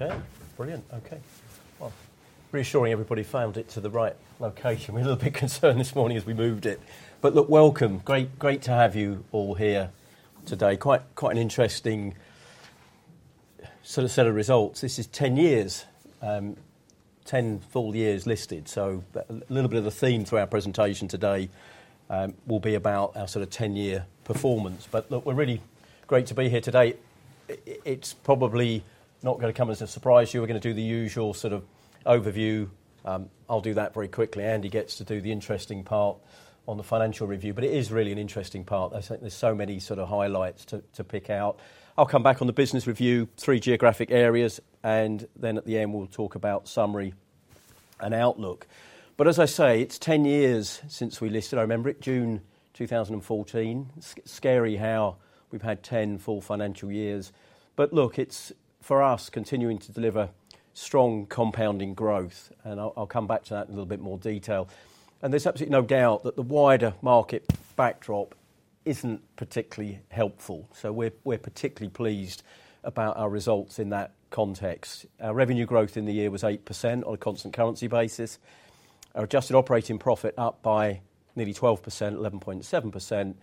Okay, brilliant. Okay, well, reassuring everybody found it to the right location. We were a little bit concerned this morning as we moved it. But look, welcome. Great, great to have you all here today. Quite, quite an interesting sort of set of results. This is 10 years, 10 full years listed, so a little bit of a theme through our presentation today, will be about our sort of 10-year performance. But look, we're really great to be here today. It's probably not going to come as a surprise to you, we're going to do the usual sort of overview. I'll do that very quickly. Andy gets to do the interesting part on the financial review, but it is really an interesting part. I think there's so many sort of highlights to pick out. I'll come back on the business review, three geographic areas, and then at the end, we'll talk about summary and outlook. But as I say, it's 10 years since we listed. I remember it, June 2014. Scary how we've had 10 full financial years. But look, it's for us continuing to deliver strong compounding growth, and I'll come back to that in a little bit more detail. And there's absolutely no doubt that the wider market backdrop isn't particularly helpful, so we're particularly pleased about our results in that context. Our revenue growth in the year was 8% on a constant currency basis. Our adjusted operating profit up by nearly 12%, 11.7%,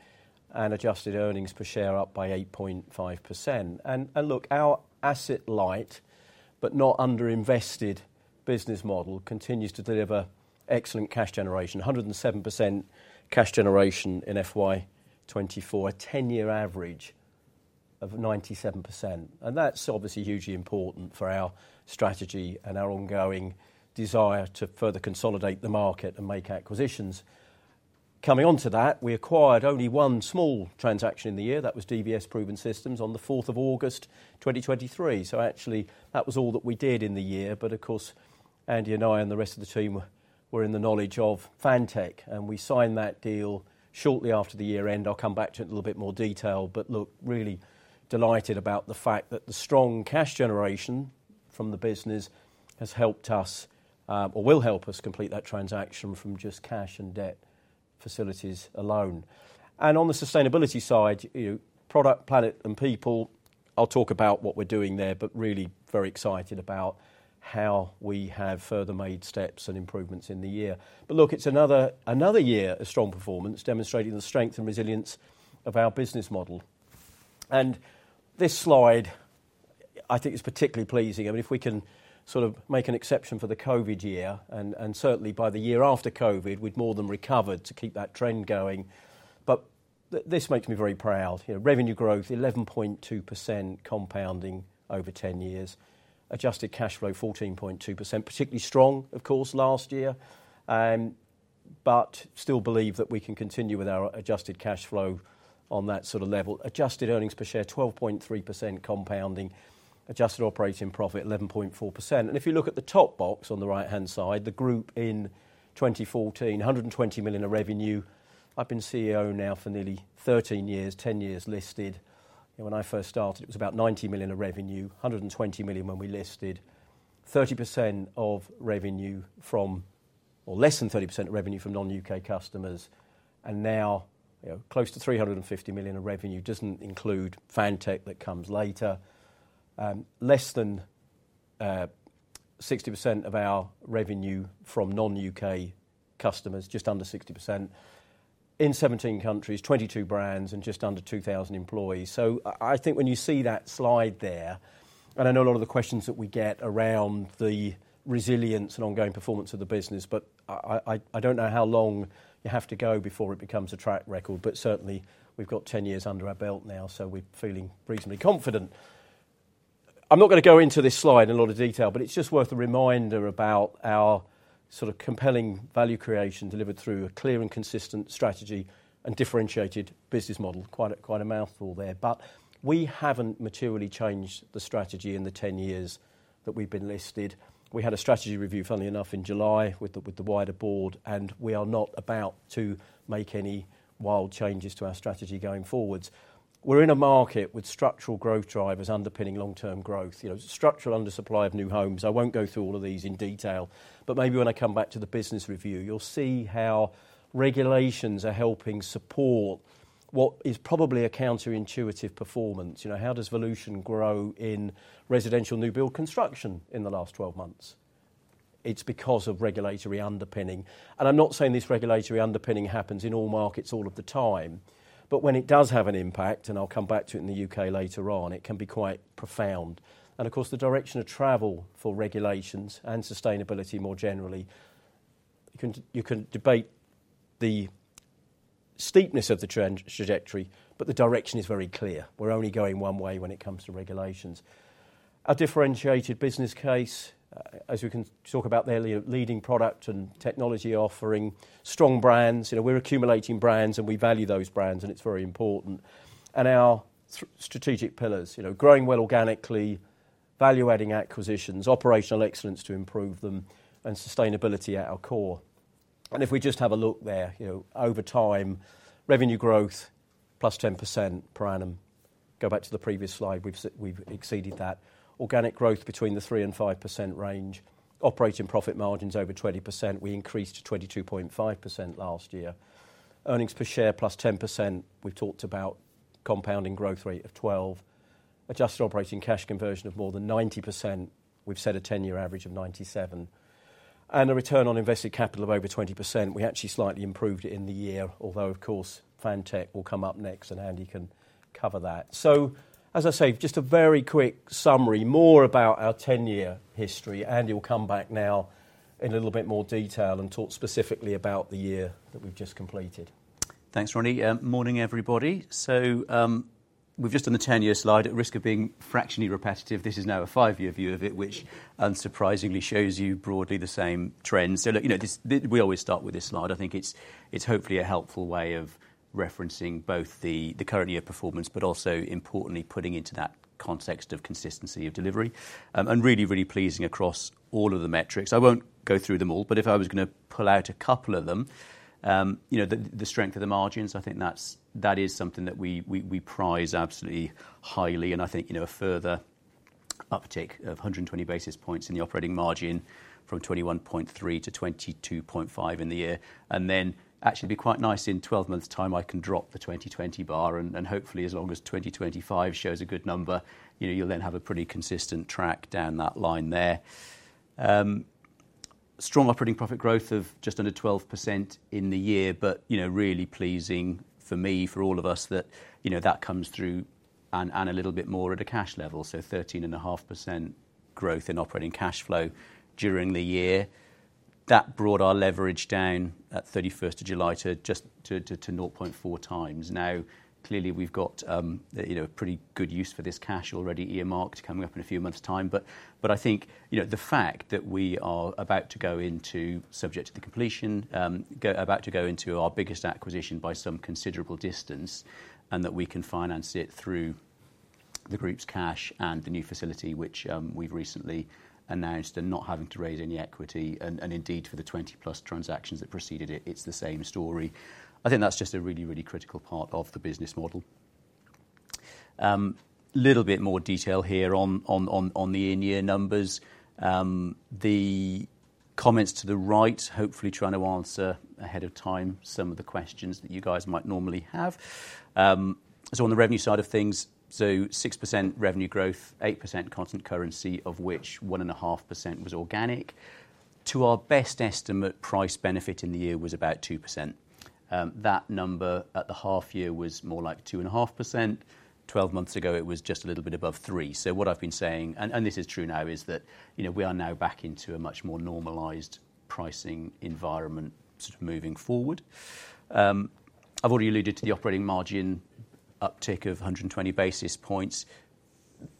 and adjusted earnings per share up by 8.5%. Look, our asset light, but not underinvested business model continues to deliver excellent cash generation, 107% cash generation in FY 2024, a 10-year average of 97%. That's obviously hugely important for our strategy and our ongoing desire to further consolidate the market and make acquisitions. Coming onto that, we acquired only one small transaction in the year. That was DVS Proven Systems on the 4th of August 2023. Actually, that was all that we did in the year. Of course, Andy and I and the rest of the team were in the knowledge of Fantech, and we signed that deal shortly after the year end. I'll come back to it in a little bit more detail, but look, really delighted about the fact that the strong cash generation from the business has helped us, or will help us complete that transaction from just cash and debt facilities alone. And on the sustainability side, you know, product, planet, and people, I'll talk about what we're doing there, but really very excited about how we have further made steps and improvements in the year. But look, it's another year of strong performance, demonstrating the strength and resilience of our business model. And this slide, I think, is particularly pleasing. I mean, if we can sort of make an exception for the COVID year, and certainly by the year after COVID, we'd more than recovered to keep that trend going. But this makes me very proud. You know, revenue growth, 11.2% compounding over 10 years. Adjusted cash flow, 14.2%, particularly strong, of course, last year. But still believe that we can continue with our adjusted cash flow on that sort of level. Adjusted earnings per share, 12.3% compounding. Adjusted operating profit, 11.4%. And if you look at the top box on the right-hand side, the group in 2014, 100 million in revenue. I've been CEO now for nearly 13 years, 10 years listed. When I first started, it was about 90 million in revenue, 100 million when we listed. 30% of revenue from... or less than 30% of revenue from non-U.K. customers, and now, you know, close to 350 million in revenue. Doesn't include Fantech, that comes later. Less than 60% of our revenue from non-U.K. customers, just under 60%. In 17 countries, 22 brands, and just under 2000 employees. So I think when you see that slide there, and I know a lot of the questions that we get around the resilience and ongoing performance of the business, but I don't know how long you have to go before it becomes a track record, but certainly we've got 10 years under our belt now, so we're feeling reasonably confident. I'm not going to go into this slide in a lot of detail, but it's just worth a reminder about our sort of compelling value creation delivered through a clear and consistent strategy and differentiated business model. Quite a mouthful there. But we haven't materially changed the strategy in the 10 years that we've been listed. We had a strategy review, funnily enough, in July with the wider board, and we are not about to make any wild changes to our strategy going forwards. We're in a market with structural growth drivers underpinning long-term growth. You know, structural undersupply of new homes. I won't go through all of these in detail, but maybe when I come back to the business review, you'll see how regulations are helping support what is probably a counterintuitive performance. You know, how does Volution grow in residential new build construction in the last 12 months? It's because of regulatory underpinning, and I'm not saying this regulatory underpinning happens in all markets all of the time, but when it does have an impact, and I'll come back to it in the U.K. later on, it can be quite profound. And of course, the direction of travel for regulations and sustainability more generally, you can, you can debate the steepness of the trajectory, but the direction is very clear. We're only going one way when it comes to regulations. Our differentiated business case, as we can talk about there, leading product and technology offering, strong brands. You know, we're accumulating brands, and we value those brands, and it's very important. And our strategic pillars, you know, growing well organically, value-adding acquisitions, operational excellence to improve them, and sustainability at our core. And if we just have a look there, you know, over time, revenue growth, plus 10% per annum. Go back to the previous slide, we've exceeded that. Organic growth between the 3% and 5% range. Operating profit margins over 20%. We increased to 22.5% last year. Earnings per share plus 10%. We've talked about compounding growth rate of 12, adjusted operating cash conversion of more than 90%. We've set a 10-year average of 97, and a return on invested capital of over 20%. We actually slightly improved it in the year, although of course, Fantech will come up next, and Andy can cover that. So, as I say, just a very quick summary, more about our 10-year history. Andy will come back now in a little bit more detail and talk specifically about the year that we've just completed. Thanks, Ronnie. Morning, everybody. So, we've just done the 10-year slide. At risk of being fractionally repetitive, this is now a five-year view of it, which unsurprisingly shows you broadly the same trends. So look, you know, this, we always start with this slide. I think it's hopefully a helpful way of referencing both the current year performance, but also importantly, putting into that context of consistency of delivery, and really, really pleasing across all of the metrics. I won't go through them all, but if I was going to pull out a couple of them, you know, the strength of the margins, I think that's, that is something that we prize absolutely highly, and I think, you know, a further uptick of 120 basis points in the operating margin from 21.3% to 22.5% in the year, and then actually, be quite nice in 12 months' time, I can drop the 2020 bar, and hopefully, as long as 2025 shows a good number, you know, you'll then have a pretty consistent track down that line there. Strong operating profit growth of just under 12% in the year, but, you know, really pleasing for me, for all of us, that, you know, that comes through and a little bit more at a cash level. So 13.5% growth in operating cash flow during the year. That brought our leverage down at 31st of July to just 0.4 times. Now, clearly, we've got, you know, a pretty good use for this cash already earmarked coming up in a few months' time, but I think, you know, the fact that we are about to go into, subject to the completion, about to go into our biggest acquisition by some considerable distance, and that we can finance it through the group's cash and the new facility which we've recently announced and not having to raise any equity, and indeed, for the 20-plus transactions that preceded it, it's the same story. I think that's just a really, really critical part of the business model. Little bit more detail here on the in-year numbers. The comments to the right, hopefully trying to answer ahead of time some of the questions that you guys might normally have. So on the revenue side of things, so 6% revenue growth, 8% constant currency, of which 1.5% was organic. To our best estimate, price benefit in the year was about 2%. That number at the half year was more like 2.5%. Twelve months ago, it was just a little bit above 3%. So what I've been saying, and this is true now, is that, you know, we are now back into a much more normalized pricing environment sort of moving forward. I've already alluded to the operating margin uptick of 120 basis points.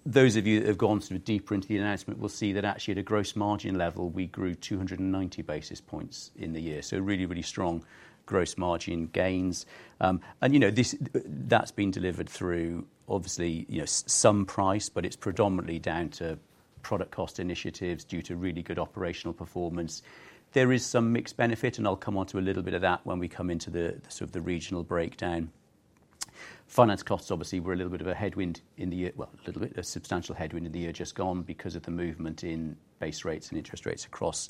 Those of you that have gone sort of deeper into the announcement will see that actually, at a gross margin level, we grew 290 basis points in the year, so really, really strong gross margin gains. And you know, this, that's been delivered through, obviously, you know, some price, but it's predominantly down to product cost initiatives due to really good operational performance. There is some mixed benefit, and I'll come on to a little bit of that when we come into the sort of regional breakdown. Finance costs, obviously, were a little bit of a headwind in the year. Well, a little bit, a substantial headwind in the year just gone because of the movement in base rates and interest rates across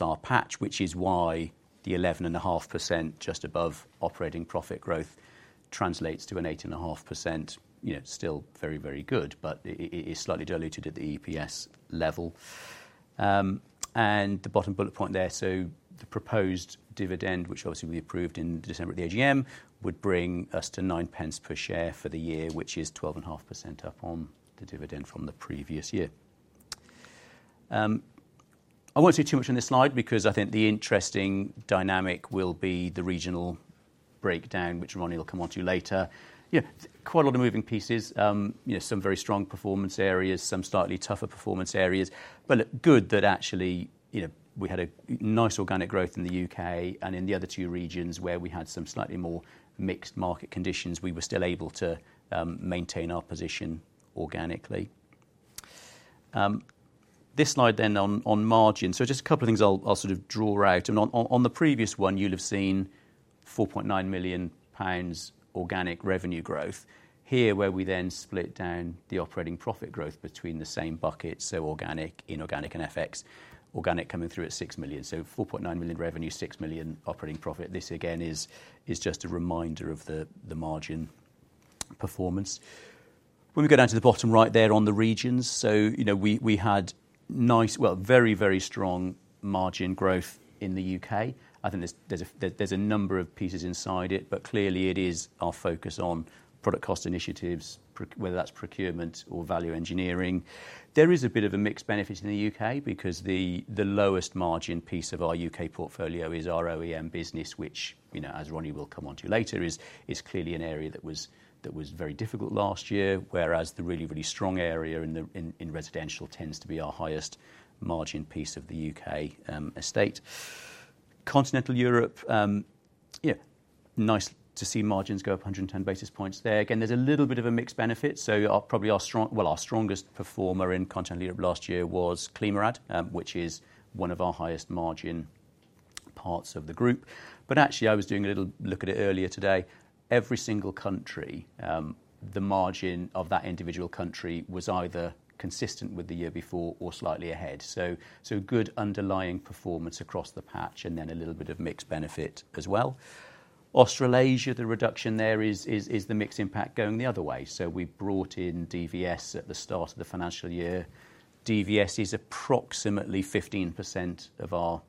our patch, which is why the 11.5%, just above operating profit growth, translates to an 8.5%, you know, still very, very good, but it it's slightly diluted at the EPS level. And the bottom bullet point there, so the proposed dividend, which obviously we approved in December at the AGM, would bring us to 0.09 per share for the year, which is 12.5% up on the dividend from the previous year. I won't say too much on this slide because I think the interesting dynamic will be the regional breakdown, which Ronnie will come on to later. Yeah, quite a lot of moving pieces. You know, some very strong performance areas, some slightly tougher performance areas, but good that actually, you know, we had a nice organic growth in the U.K. and in the other two regions where we had some slightly more mixed market conditions, we were still able to maintain our position organically. This slide then on margin. So just a couple of things I'll sort of draw out, and on the previous one, you'll have seen 4.9 million pounds organic revenue growth. Here, where we then split down the operating profit growth between the same buckets, so organic, inorganic, and FX. Organic coming through at 6 million. So 4.9 million revenue, 6 million operating profit. This, again, is just a reminder of the margin performance. When we go down to the bottom right there on the regions, so you know, we had nice. Well, very, very strong margin growth in the U.K. I think there's a number of pieces inside it, but clearly, it is our focus on product cost initiatives, whether that's procurement or value engineering. There is a bit of a mixed benefit in the U.K. because the lowest margin piece of our U.K. portfolio is our OEM business, which, you know, as Ronnie will come on to later, is clearly an area that was very difficult last year, whereas the really, really strong area in the residential tends to be our highest margin piece of the U.K. estate. Continental Europe, yeah, nice to see margins go up 110 basis points there. Again, there's a little bit of a mixed benefit, so, probably our strongest performer in Continental Europe last year was ClimaRad, which is one of our highest margin parts of the group. But actually, I was doing a little look at it earlier today. Every single country, the margin of that individual country was either consistent with the year before or slightly ahead. So good underlying performance across the patch, and then a little bit of mixed benefit as well. Australasia, the reduction there is the mix impact going the other way. So we brought in DVS at the start of the financial year. DVS is approximately 15% of our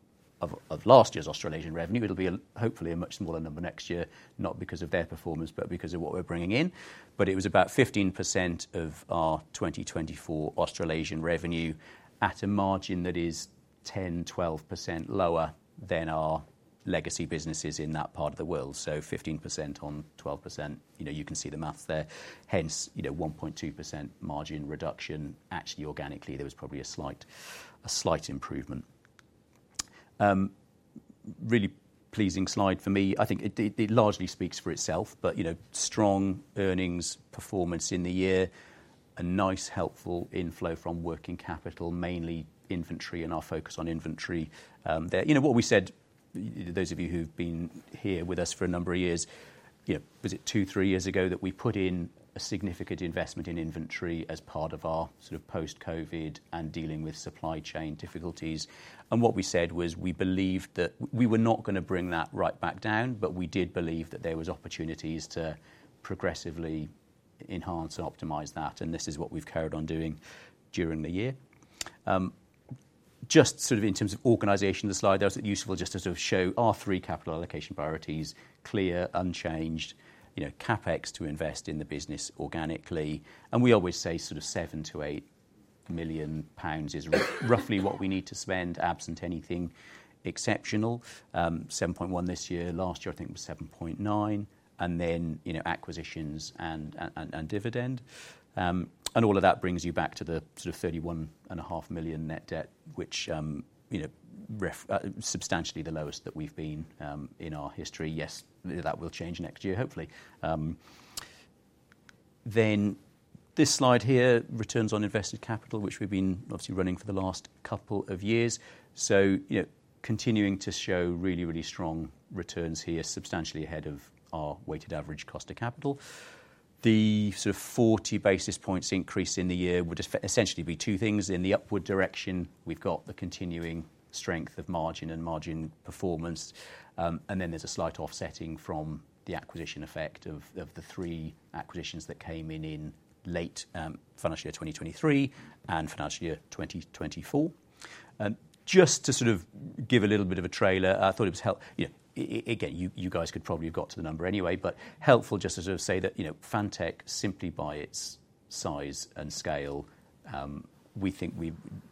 last year's Australasian revenue. It'll be hopefully a much smaller number next year, not because of their performance, but because of what we're bringing in. But it was about 15% of our 2024 Australasian revenue at a margin that is 10-12% lower than our legacy businesses in that part of the world. So 15% on 12%, you know, you can see the math there. Hence, you know, 1.2% margin reduction. Actually, organically, there was probably a slight improvement. Really pleasing slide for me. I think it largely speaks for itself, but, you know, strong earnings performance in the year, a nice, helpful inflow from working capital, mainly inventory and our focus on inventory, there. You know, what we said, those of you who've been here with us for a number of years, you know, was it two, three years ago that we put in a significant investment in inventory as part of our sort of post-COVID and dealing with supply chain difficulties? And what we said was, we believed that we were not gonna bring that right back down, but we did believe that there was opportunities to progressively enhance and optimize that, and this is what we've carried on doing during the year. Just sort of in terms of organization of the slide there, it's useful just to sort of show our three capital allocation priorities, clear, unchanged, you know, CapEx to invest in the business organically. And we always say sort of 7-8 million pounds is roughly what we need to spend, absent anything exceptional. 7.1% this year. Last year, I think it was 7.9%, and then, you know, acquisitions and dividend. And all of that brings you back to the sort of 31.5 million net debt, which, you know, reflects substantially the lowest that we've been in our history. Yes, that will change next year, hopefully. Then this slide here, returns on invested capital, which we've been obviously running for the last couple of years. So, you know, continuing to show really, really strong returns here, substantially ahead of our weighted average cost of capital. The sort of 40 basis points increase in the year would just essentially be two things. In the upward direction, we've got the continuing strength of margin and margin performance, and then there's a slight offsetting from the acquisition effect of, of the three acquisitions that came in in late, financial year 2023 and financial year 2024. And just to sort of give a little bit of a trailer, I thought it was helpful. You know, again, you guys could probably have got to the number anyway, but helpful just to sort of say that, you know, Fantech, simply by its size and scale, we think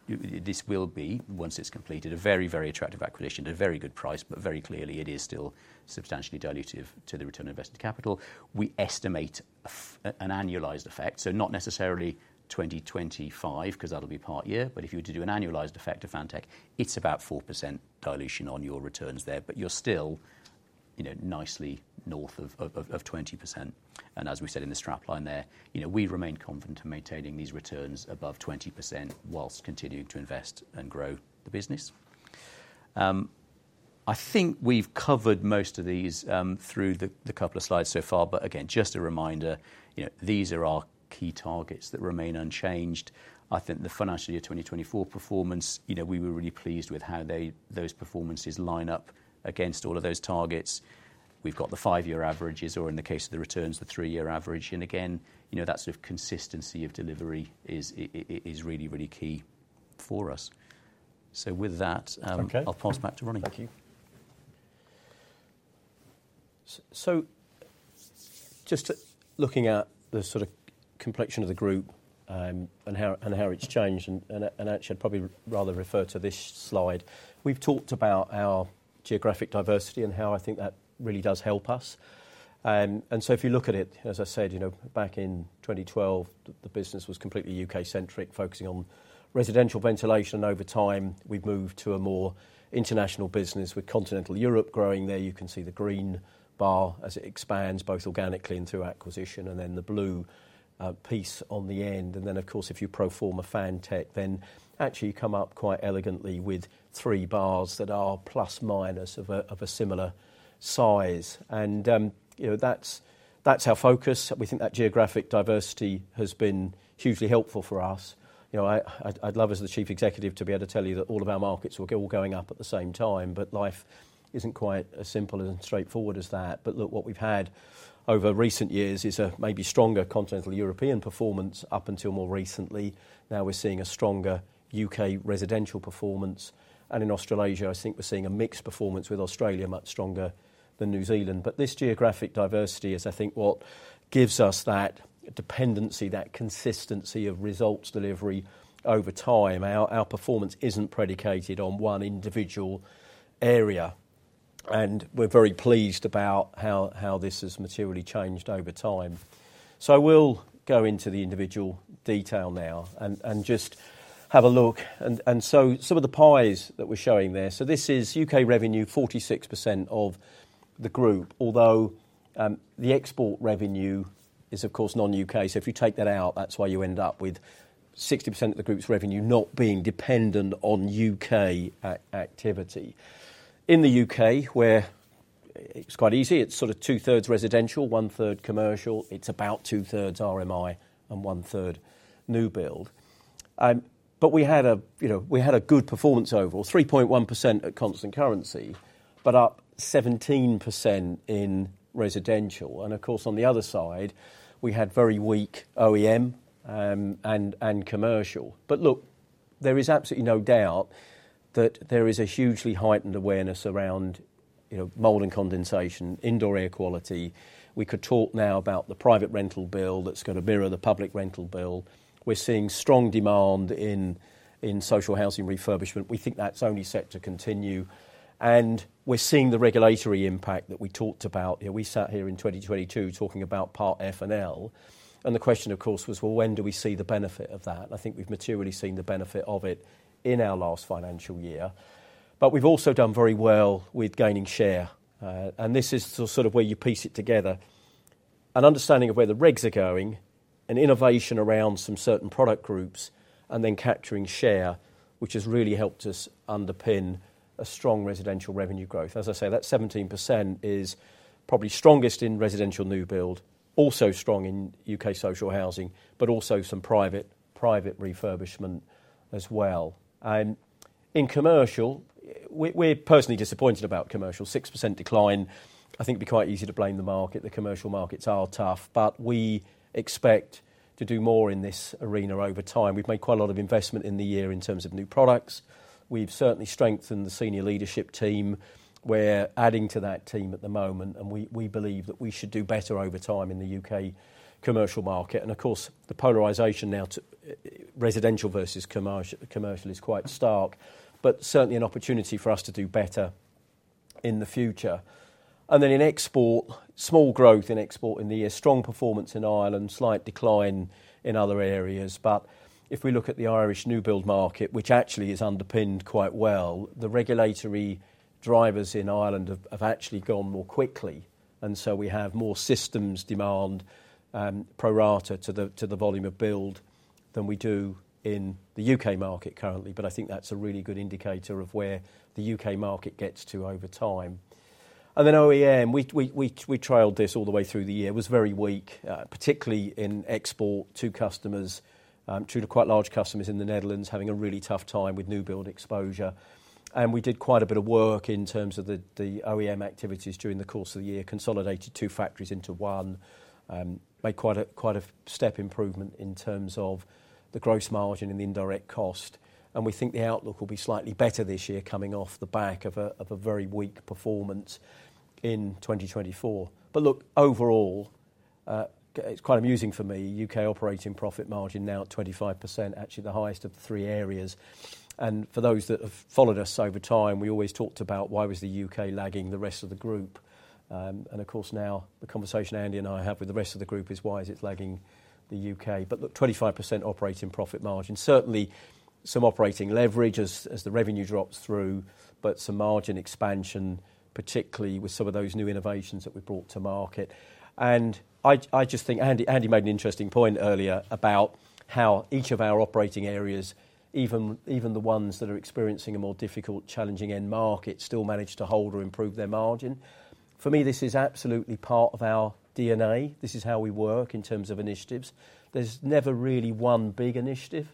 this will be, once it's completed, a very, very attractive acquisition at a very good price, but very clearly, it is still substantially dilutive to the return on invested capital. We estimate an annualized effect, so not necessarily 2025, 'cause that'll be part year, but if you were to do an annualized effect of Fantech, it's about 4% dilution on your returns there, but you're still, you know, nicely north of twenty percent. And as we said in the strapline there, you know, we remain confident in maintaining these returns above 20% while continuing to invest and grow the business. I think we've covered most of these through the couple of slides so far, but again, just a reminder, you know, these are our key targets that remain unchanged. I think the financial year 2024 performance, you know, we were really pleased with how they, those performances line up against all of those targets. We've got the five-year averages, or in the case of the returns, the three-year average. Again, you know, that sort of consistency of delivery is really, really key for us. With that, Okay. I'll pass back to Ronnie. Thank you. So just looking at the sort of complexion of the group, and how it's changed, and I should probably rather refer to this slide. We've talked about our geographic diversity and how I think that really does help us. And so if you look at it, as I said, you know, back in twenty twelve, the business was completely U.K.-centric, focusing on residential ventilation. Over time, we've moved to a more international business with continental Europe growing. There you can see the green bar as it expands, both organically and through acquisition, and then the blue piece on the end. And, of course, if you pro forma Fantech, then actually you come up quite elegantly with three bars that are plus minus of a similar size. And you know, that's our focus. We think that geographic diversity has been hugely helpful for us. You know, I'd love as the Chief Executive to be able to tell you that all of our markets were all going up at the same time, but life isn't quite as simple and straightforward as that. But look, what we've had over recent years is a maybe stronger continental European performance up until more recently. Now, we're seeing a stronger U.K. residential performance, and in Australasia, I think we're seeing a mixed performance with Australia much stronger than New Zealand. But this geographic diversity is, I think, what gives us that dependency, that consistency of results delivery over time. Our performance isn't predicated on one individual area, and we're very pleased about how this has materially changed over time. So I will go into the individual detail now and just have a look. So some of the pies that we're showing there, so this is U.K. revenue, 46% of the group, although the export revenue is, of course, non-U.K. So if you take that out, that's why you end up with 60% of the group's revenue not being dependent on U.K. activity. In the U.K., where it's quite easy, it's sort of two-thirds residential, one-third commercial. It's about two-thirds RMI and one-third new build. We had a good performance overall, 3.1% at constant currency, but up 17% in residential. Of course, on the other side, we had very weak OEM and commercial. Look, there is absolutely no doubt that there is a hugely heightened awareness around, you know, mold and condensation, indoor air quality. We could talk now about the private rental bill that's going to mirror the public rental bill. We're seeing strong demand in social housing refurbishment. We think that's only set to continue, and we're seeing the regulatory impact that we talked about. You know, we sat here in 2022 talking about Part F and Part L, and the question, of course, was, well, when do we see the benefit of that? I think we've materially seen the benefit of it in our last financial year, but we've also done very well with gaining share, and this is sort of where you piece it together. An understanding of where the regs are going, an innovation around some certain product groups, and then capturing share, which has really helped us underpin a strong residential revenue growth. As I say, that 17% is probably strongest in residential new build, also strong in U.K. social housing, but also some private refurbishment as well. In commercial, we're personally disappointed about commercial. 6% decline, I think, be quite easy to blame the market. The commercial markets are tough, but we expect to do more in this arena over time. We've made quite a lot of investment in the year in terms of new products. We've certainly strengthened the senior leadership team. We're adding to that team at the moment, and we believe that we should do better over time in the U.K. commercial market. Of course, the polarization now to residential versus commercial is quite stark, but certainly an opportunity for us to do better in the future. Then in export, small growth in export in the year. Strong performance in Ireland, slight decline in other areas. But if we look at the Irish new build market, which actually is underpinned quite well, the regulatory drivers in Ireland have actually gone more quickly, and so we have more systems demand pro rata to the volume of build than we do in the U.K. market currently. But I think that's a really good indicator of where the U.K. market gets to over time. And then OEM, we trailed this all the way through the year. It was very weak, particularly in export to customers due to quite large customers in the Netherlands having a really tough time with new build exposure. And we did quite a bit of work in terms of the OEM activities during the course of the year, consolidated two factories into one. Made quite a step improvement in terms of the gross margin and the indirect cost, and we think the outlook will be slightly better this year coming off the back of a very weak performance in 2024, but look, overall, it's quite amusing for me, U.K. operating profit margin now at 25%, actually the highest of the three areas, and for those that have followed us over time, we always talked about why was the U.K. lagging the rest of the group, and of course, now the conversation Andy and I have with the rest of the group is why is it lagging the U.K., but look, 25% operating profit margin. Certainly some operating leverage as the revenue drops through, but some margin expansion, particularly with some of those new innovations that we brought to market. And I just think, Andy made an interesting point earlier about how each of our operating areas, even the ones that are experiencing a more difficult, challenging end market, still manage to hold or improve their margin. For me, this is absolutely part of our DNA. This is how we work in terms of initiatives. There's never really one big initiative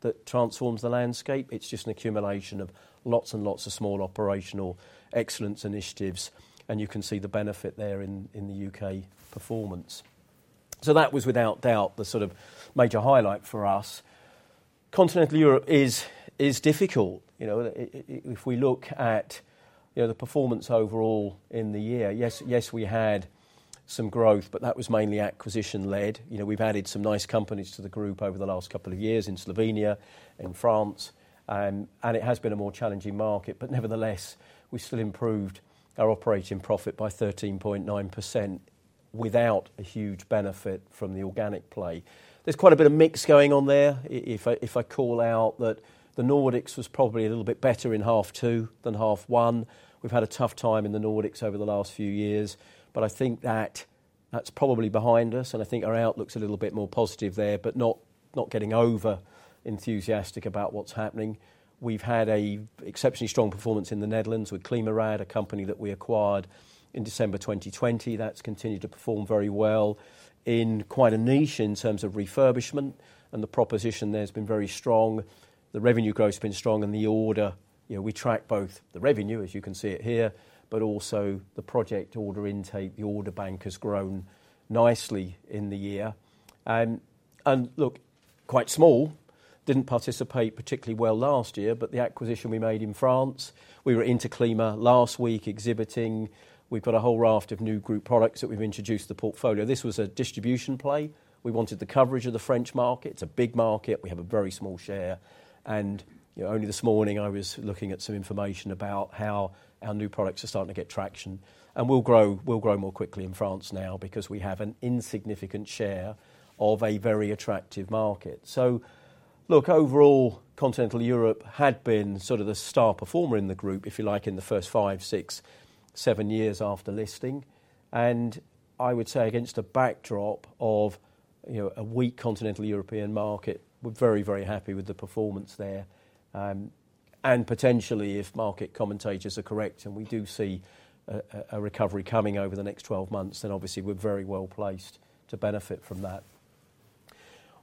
that transforms the landscape. It's just an accumulation of lots and lots of small operational excellence initiatives, and you can see the benefit there in the U.K. performance. So that was without doubt the sort of major highlight for us. Continental Europe is difficult. You know, if we look at, you know, the performance overall in the year, yes, we had some growth, but that was mainly acquisition-led. You know, we've added some nice companies to the group over the last couple of years in Slovenia, in France, and it has been a more challenging market, but nevertheless, we still improved our operating profit by 13.9% without a huge benefit from the organic play. There's quite a bit of mix going on there. If I call out that the Nordics was probably a little bit better in half two than half one. We've had a tough time in the Nordics over the last few years, but I think that that's probably behind us, and I think our outlook's a little bit more positive there, but not getting over enthusiastic about what's happening. We've had an exceptionally strong performance in the Netherlands with ClimaRad, a company that we acquired in December 2020. That's continued to perform very well in quite a niche in terms of refurbishment, and the proposition there has been very strong. The revenue growth's been strong, and the order, you know, we track both the revenue, as you can see it here, but also the project order intake. The order bank has grown nicely in the year. And look, quite small, didn't participate particularly well last year, but the acquisition we made in France, we were into ClimaRad last week exhibiting. We've got a whole raft of new group products that we've introduced to the portfolio. This was a distribution play. We wanted the coverage of the French market. It's a big market. We have a very small share, and, you know, only this morning, I was looking at some information about how our new products are starting to get traction. We'll grow, we'll grow more quickly in France now because we have an insignificant share of a very attractive market. Look, overall, Continental Europe had been sort of the star performer in the group, if you like, in the first five, six, seven years after listing. I would say against a backdrop of, you know, a weak continental European market, we're very, very happy with the performance there. Potentially, if market commentators are correct, and we do see a recovery coming over the next 12 months, then obviously we're very well placed to benefit from that.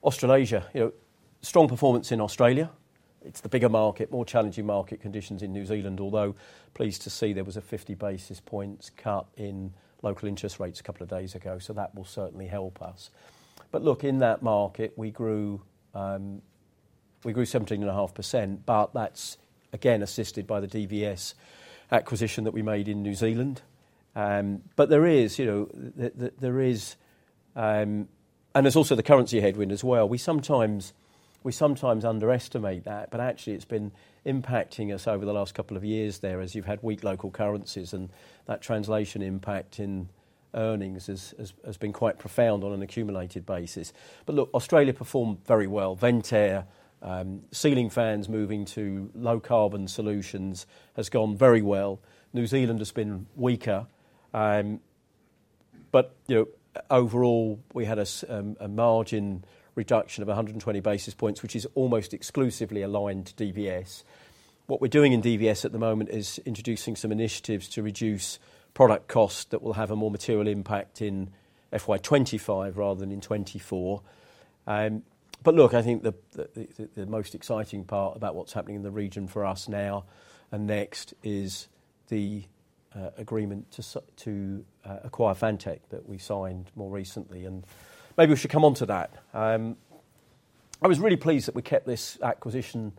Australasia, you know, strong performance in Australia. It's the bigger market, more challenging market conditions in New Zealand, although pleased to see there was a 50 basis points cut in local interest rates a couple of days ago, so that will certainly help us. But look, in that market, we grew 17.5%, but that's again assisted by the DVS acquisition that we made in New Zealand. But there is, you know, there is. And there's also the currency headwind as well. We sometimes underestimate that, but actually it's been impacting us over the last couple of years there, as you've had weak local currencies, and that translation impact in earnings has been quite profound on an accumulated basis. But look, Australia performed very well. Ventair, ceiling fans moving to low carbon solutions has gone very well. New Zealand has been weaker. But, you know, overall, we had a margin reduction of 120 basis points, which is almost exclusively aligned to DVS. What we're doing in DVS at the moment is introducing some initiatives to reduce product cost that will have a more material impact in FY 2025 rather than in 2024, but look, I think the most exciting part about what's happening in the region for us now and next is the agreement to acquire Fantech that we signed more recently, and maybe we should come onto that. I was really pleased that we kept this acquisition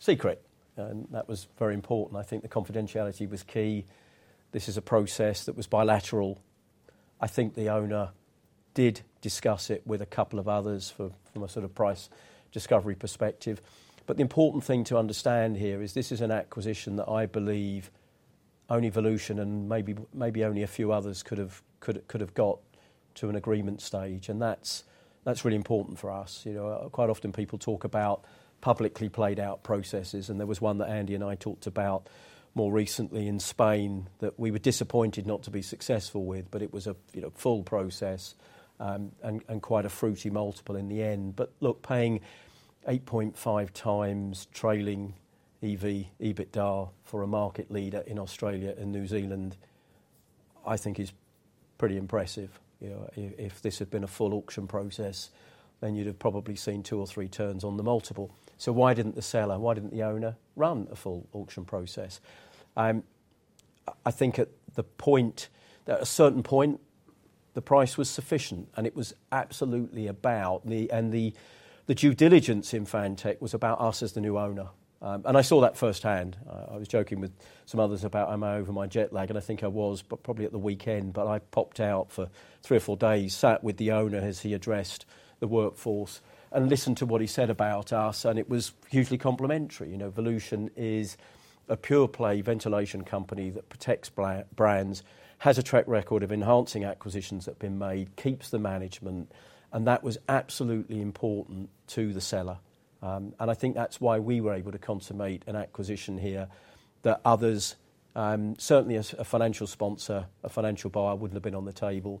secret, and that was very important. I think the confidentiality was key. This is a process that was bilateral. I think the owner did discuss it with a couple of others from a sort of price discovery perspective. But the important thing to understand here is this is an acquisition that I believe only Volution, and maybe only a few others, could have got to an agreement stage, and that's really important for us. You know, quite often people talk about publicly played out processes, and there was one that Andy and I talked about more recently in Spain that we were disappointed not to be successful with, but it was a, you know, full process, and quite a fruity multiple in the end. But look, paying eight point five times trailing EV, EBITDA for a market leader in Australia and New Zealand, I think is pretty impressive. You know, if this had been a full auction process, then you'd have probably seen two or three turns on the multiple. Why didn't the seller, why didn't the owner run a full auction process? I think at a certain point, the price was sufficient, and it was absolutely about the due diligence. The due diligence in Fantech was about us as the new owner. I saw that firsthand. I was joking with some others about am I over my jet lag? I think I was, but probably at the weekend. I popped out for three or four days, sat with the owner as he addressed the workforce, and listened to what he said about us, and it was hugely complimentary. You know, Volution is a pure play ventilation company that protects brands, has a track record of enhancing acquisitions that have been made, keeps the management, and that was absolutely important to the seller. And I think that's why we were able to consummate an acquisition here that others, certainly a financial sponsor, a financial buyer, wouldn't have been on the table,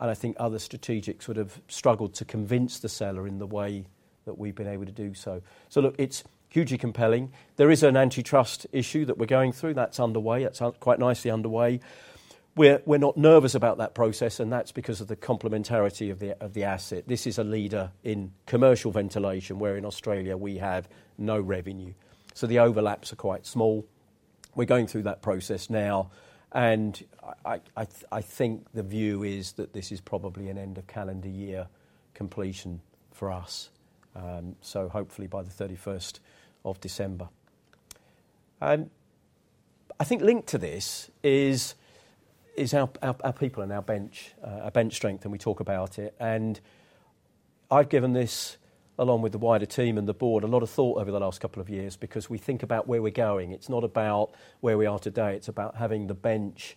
and I think other strategics would have struggled to convince the seller in the way that we've been able to do so. So look, it's hugely compelling. There is an antitrust issue that we're going through. That's underway. That's quite nicely underway. We're not nervous about that process, and that's because of the complementarity of the asset. This is a leader in commercial ventilation, where in Australia we have no revenue, so the overlaps are quite small. We're going through that process now, and I think the view is that this is probably an end-of-calendar-year completion for us, so hopefully by the thirty-first of December. I think linked to this is our people and our bench strength, and we talk about it. I've given this, along with the wider team and the board, a lot of thought over the last couple of years because we think about where we're going. It's not about where we are today, it's about having the bench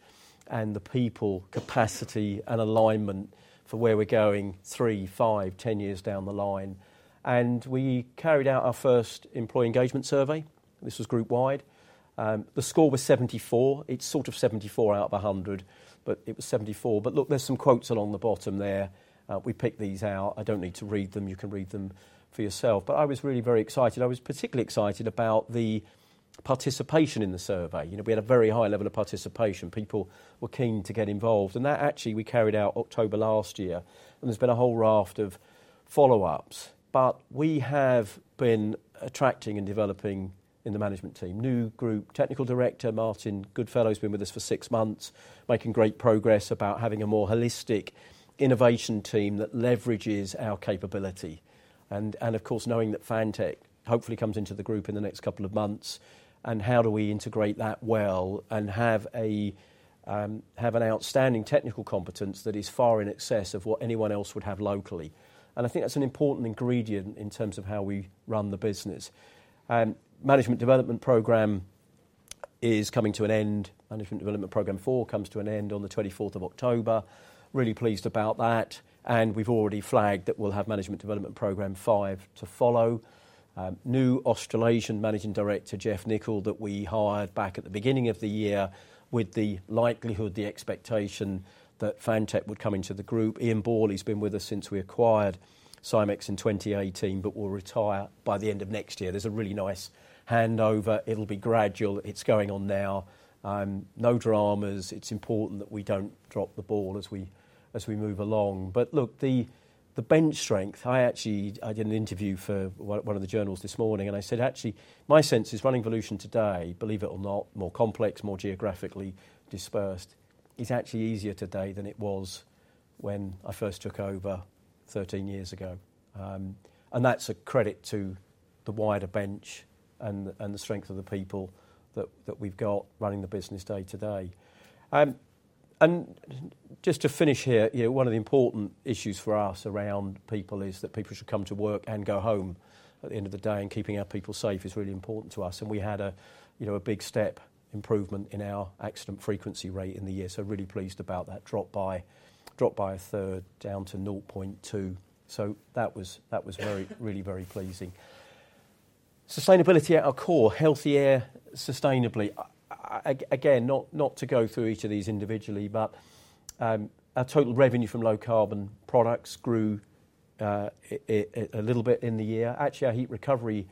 and the people, capacity, and alignment for where we're going three, five, 10 years down the line. We carried out our first employee engagement survey. This was group wide. The score was 74. It's sort of 74 out of a 100, but it was 74. Look, there's some quotes along the bottom there. We picked these out. I don't need to read them. You can read them for yourself. I was really very excited. I was particularly excited about the participation in the survey. You know, we had a very high level of participation. People were keen to get involved, and that actually we carried out October last year, and there's been a whole raft of follow-ups. But we have been attracting and developing in the management team. New Group Technical Director, Martin Goodfellow, has been with us for six months, making great progress about having a more holistic innovation team that leverages our capability. And, and of course, knowing that Fantech hopefully comes into the group in the next couple of months, and how do we integrate that well and have an outstanding technical competence that is far in excess of what anyone else would have locally? And I think that's an important ingredient in terms of how we run the business. Management Development Program is coming to an end. Management Development Program Four comes to an end on the 24th of October. Really pleased about that, and we've already flagged that we'll have Management Development Program Five to follow. New Australasian Managing Director, Jeff Nichol, that we hired back at the beginning of the year with the likelihood, the expectation, that Fantech would come into the group. Ian Borley's been with us since we acquired Simx in twenty eighteen, but will retire by the end of next year. There's a really nice handover. It'll be gradual. It's going on now. No dramas. It's important that we don't drop the ball as we move along. But look, the bench strength. I actually did an interview for one of the journals this morning, and I said, "Actually, my sense is running Volution today, believe it or not, more complex, more geographically dispersed, is actually easier today than it was when I first took over thirteen years ago." And that's a credit to the wider bench and the strength of the people that we've got running the business day to day. And just to finish here, you know, one of the important issues for us around people is that people should come to work and go home at the end of the day, and keeping our people safe is really important to us. And we had a big step improvement in our accident frequency rate in the year, so really pleased about that. Dropped by, dropped by a third, down to nought point two. So that was really very pleasing. Sustainability at our core, healthy air, sustainably. Again, not to go through each of these individually, but our total revenue from low carbon products grew a little bit in the year. Actually, our heat recovery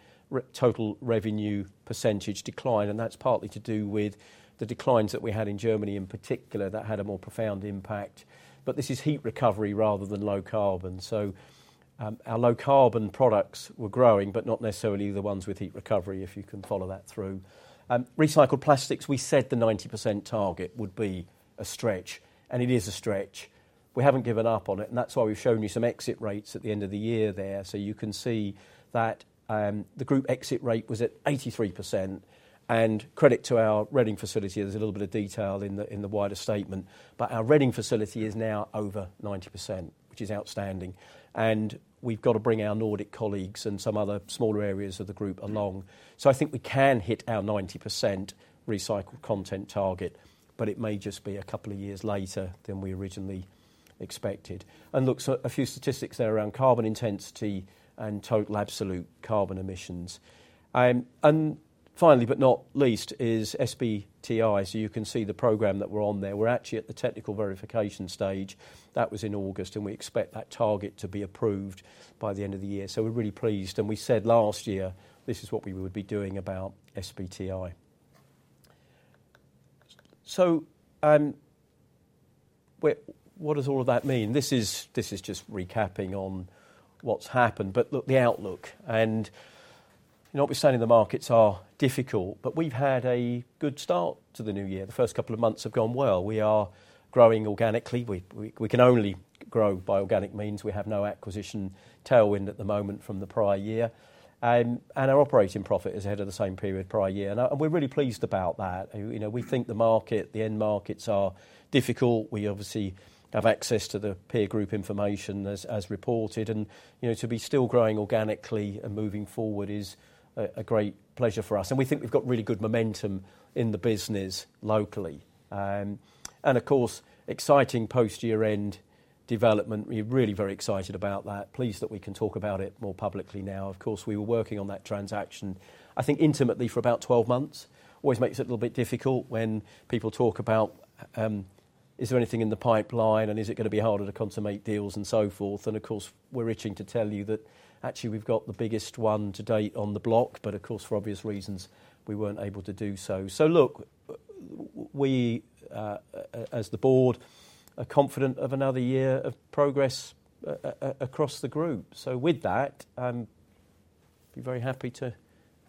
total revenue percentage declined, and that's partly to do with the declines that we had in Germany, in particular. That had a more profound impact. But this is heat recovery rather than low carbon. So, our low carbon products were growing, but not necessarily the ones with heat recovery, if you can follow that through. Recycled plastics, we said the 90% target would be a stretch, and it is a stretch. We haven't given up on it, and that's why we've shown you some exit rates at the end of the year there. So you can see that, the group exit rate was at 83%, and credit to our Reading facility. There's a little bit of detail in the wider statement. But our Reading facility is now over 90%, which is outstanding, and we've got to bring our Nordic colleagues and some other smaller areas of the group along. So I think we can hit our 90% recycled con10t target, but it may just be a couple of years later than we originally expected. And look, so a few statistics there around carbon intensity and total absolute carbon emissions. And finally, but not least, is SBTi. So you can see the program that we're on there. We're actually at the technical verification stage. That was in August, and we expect that target to be approved by the end of the year, so we're really pleased. We said last year, this is what we would be doing about SBTi. So what does all of that mean? This is just recapping on what's happened. Look, the outlook, and you know, obviously, the markets are difficult, but we've had a good start to the new year. The first couple of months have gone well. We are growing organically. We can only grow by organic means. We have no acquisition tailwind at the moment from the prior year. Our operating profit is ahead of the same period prior year, and we're really pleased about that. You know, we think the market, the end markets are difficult. We obviously have access to the peer group information as reported, and you know, to be still growing organically and moving forward is a great pleasure for us, and we think we've got really good momentum in the business locally, and of course, exciting post-year-end development. We're really very excited about that. Pleased that we can talk about it more publicly now. Of course, we were working on that transaction, I think, intimately for about 12 months. Always makes it a little bit difficult when people talk about: "Is there anything in the pipeline, and is it going to be harder to consummate deals and so forth?" And of course, we're itching to tell you that actually, we've got the biggest one to date on the block, but of course, for obvious reasons, we weren't able to do so. So look, we, as the board, are confident of another year of progress across the group. So with that, be very happy to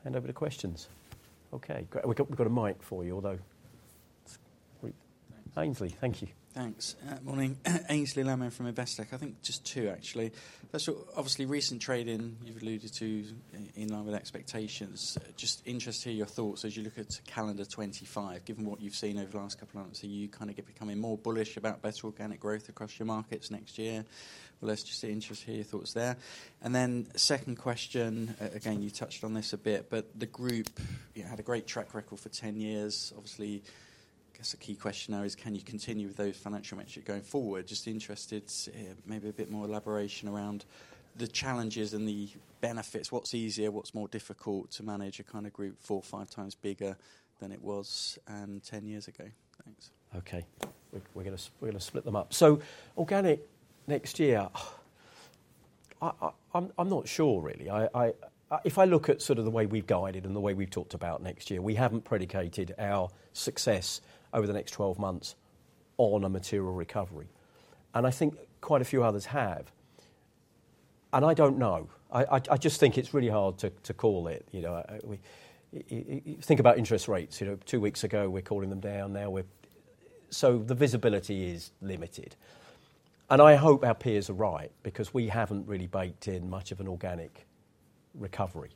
hand over to questions. Okay, great. We've got a mic for you, although... Aynsley, thank you. Thanks. Morning. Aynsley Lammin from Investec. I think just two, actually. First of all, obviously, recent trading, you've alluded to, in line with expectations. Just interested to hear your thoughts as you look at calendar 2025, given what you've seen over the last couple of months. Are you kind of becoming more bullish about better organic growth across your markets next year? Well, that's just of interest to hear your thoughts there. And then second question, again, you touched on this a bit, but the group, you know, had a great track record for 10 years. Obviously, I guess the key question now is: Can you continue with those financial metrics going forward? Just interested, maybe a bit more elaboration around the challenges and the benefits. What's easier, what's more difficult to manage a kind of group four, five times bigger than it was, 10 years ago? Thanks. Okay. We're gonna split them up. So organic next year, I'm not sure, really. If I look at sort of the way we've guided and the way we've talked about next year, we haven't predicated our success over the next 12 months on a material recovery, and I think quite a few others have. And I don't know. I just think it's really hard to call it. You know, you think about interest rates. You know, two weeks ago, we're calling them down. Now we're... So the visibility is limited. And I hope our peers are right, because we haven't really baked in much of an organic recovery.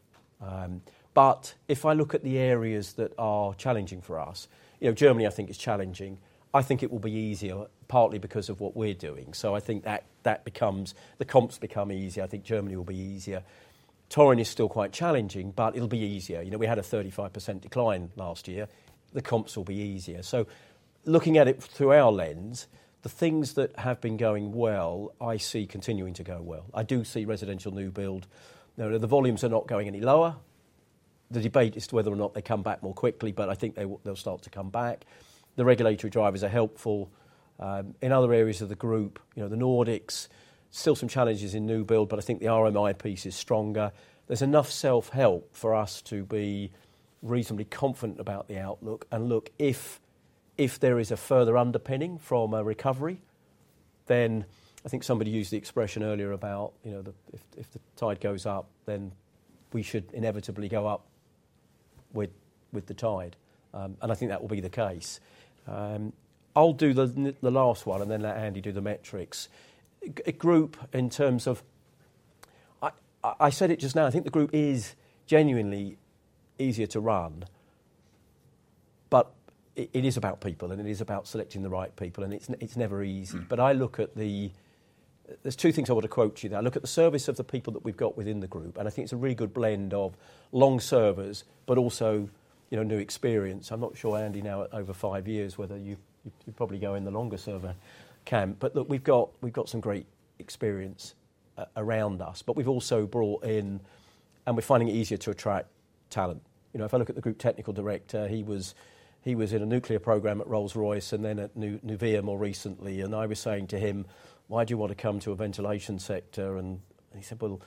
But if I look at the areas that are challenging for us, you know, Germany, I think, is challenging. I think it will be easier, partly because of what we're doing, so I think that becomes easier. The comps become easier. I think Germany will be easier. Norway is still quite challenging, but it'll be easier. You know, we had a 35% decline last year. The comps will be easier, so looking at it through our lens, the things that have been going well, I see continuing to go well. I do see residential new build. You know, the volumes are not going any lower. The debate is to whether or not they come back more quickly, but I think they will, they'll start to come back. The regulatory drivers are helpful. In other areas of the group, you know, the Nordics, still some challenges in new build, but I think the RMI piece is stronger. There's enough self-help for us to be reasonably confident about the outlook. And look, if there is a further underpinning from a recovery, then I think somebody used the expression earlier about, you know, if the tide goes up, then we should inevitably go up with the tide, and I think that will be the case. I'll do the last one and then let Andy do the metrics. A group in terms of... I said it just now, I think the group is genuinely easier to run, but it is about people, and it is about selecting the right people, and it's never easy, but I look at the... There's two things I want to quote to you now. I look at the sort of people that we've got within the group, and I think it's a really good blend of long-serving, but also, you know, new experience. I'm not sure, Andy, now, at over five years, whether you probably go in the longer-serving camp. But look, we've got some great experience around us, but we've also brought in, and we're finding it easier to attract talent. You know, if I look at the Group Technical Director, he was in a nuclear program at Rolls-Royce and then at Nuvia more recently, and I was saying to him, "Why do you want to come to a ventilation sector?" And he said, "Well,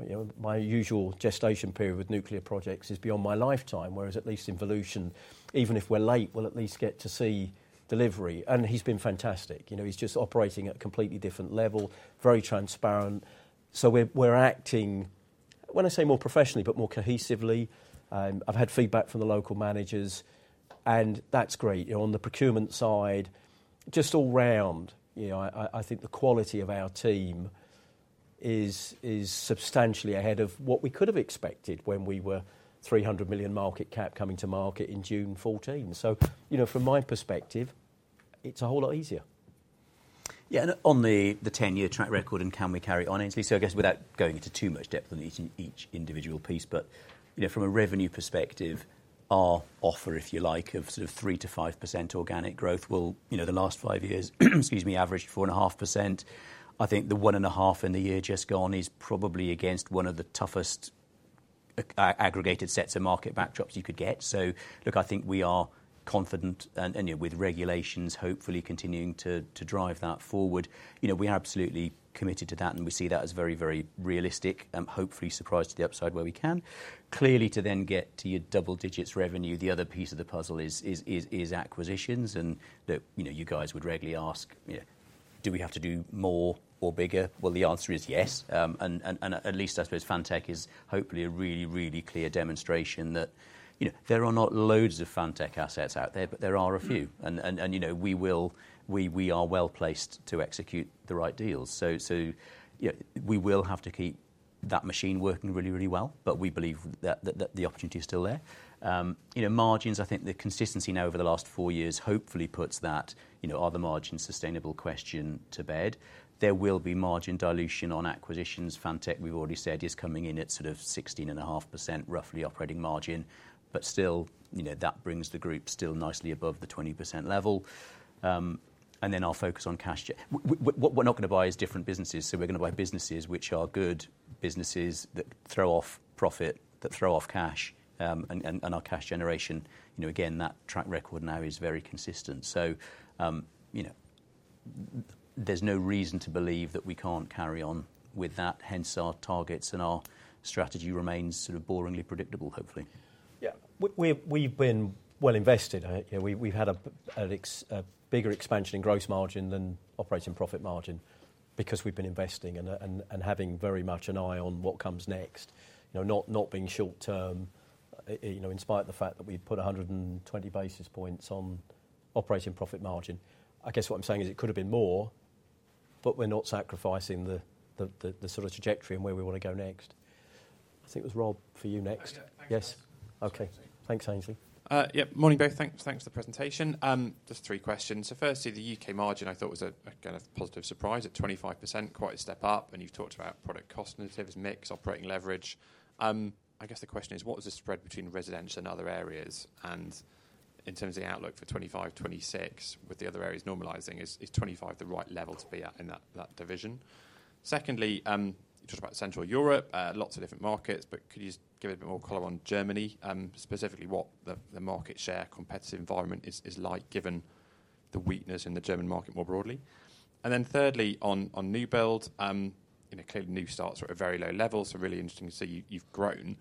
you know, my usual gestation period with nuclear projects is beyond my lifetime, whereas at least in Volution, even if we're late, we'll at least get to see delivery." And he's been fantastic. You know, he's just operating at a completely different level, very transparent. So we're acting, when I say more professionally, but more cohesively. I've had feedback from the local managers, and that's great. You know, on the procurement side, just all round, you know, I think the quality of our team is substantially ahead of what we could have expected when we were 300 million market cap coming to market in June 2014. So, you know, from my perspective, it's a whole lot easier. Yeah, and on the 10-year track record and can we carry on, Aynsley? So I guess without going into too much depth on each individual piece, but you know, from a revenue perspective, our offer, if you like, of sort of 3-5% organic growth will, you know, the last five years, excuse me, averaged 4.5%. I think the 1.5 in the year just gone is probably against one of the toughest aggregated sets of market backdrops you could get. So look, I think we are confident and, yeah, with regulations, hopefully continuing to drive that forward. You know, we are absolutely committed to that, and we see that as very, very realistic, hopefully surprise to the upside where we can. Clearly, to then get to your double digits revenue, the other piece of the puzzle is acquisitions, and that, you know, you guys would regularly ask, you know, do we have to do more or bigger? Well, the answer is yes. And at least, I suppose, Fantech is hopefully a really, really clear demonstration that, you know, there are not loads of Fantech assets out there, but there are a few. You know, we are well-placed to execute the right deals. Yeah, we will have to keep that machine working really, really well, but we believe that the opportunity is still there. You know, margins, I think the consistency now over the last four years hopefully puts that, you know, are the margin sustainable question to bed. There will be margin dilution on acquisitions. Fantech, we've already said, is coming in at sort of 16.5%, roughly operating margin, but still, you know, that brings the group still nicely above the 20% level. And then our focus on cash. What we're not going to buy is different businesses, so we're going to buy businesses which are good businesses that throw off profit, that throw off cash, and our cash generation, you know, again, that track record now is very consistent, so you know, there's no reason to believe that we can't carry on with that, hence our targets and our strategy remains sort of boringly predictable, hopefully. Yeah. We've been well invested. I think we've had a bigger expansion in gross margin than operating profit margin because we've been investing and having very much an eye on what comes next. You know, not being short term, you know, in spite of the fact that we've put a hundred and twenty basis points on operating profit margin. I guess what I'm saying is it could have been more, but we're not sacrificing the sort of trajectory and where we want to go next. I think it was Rob, for you next. Oh, yeah. Yes. Okay. Thanks, Aynsley. Yeah, morning, both. Thanks, thanks for the presentation. Just three questions. So firstly, the UK margin, I thought, was again a positive surprise at 25%, quite a step up, and you've talked about product cost negatives, mix, operating leverage. I guess the question is: What was the spread between residential and other areas? And in terms of the outlook for 2025, 2026, with the other areas normalizing, is 25% the right level to be at in that division? Secondly, you talked about Continental Europe, lots of different markets, but could you just give a bit more color on Germany, specifically what the market share competitive environment is like, given the weakness in the German market more broadly? Thirdly, on new build, you know, clearly, new starts are at a very low level, so really interesting to see, you've grown.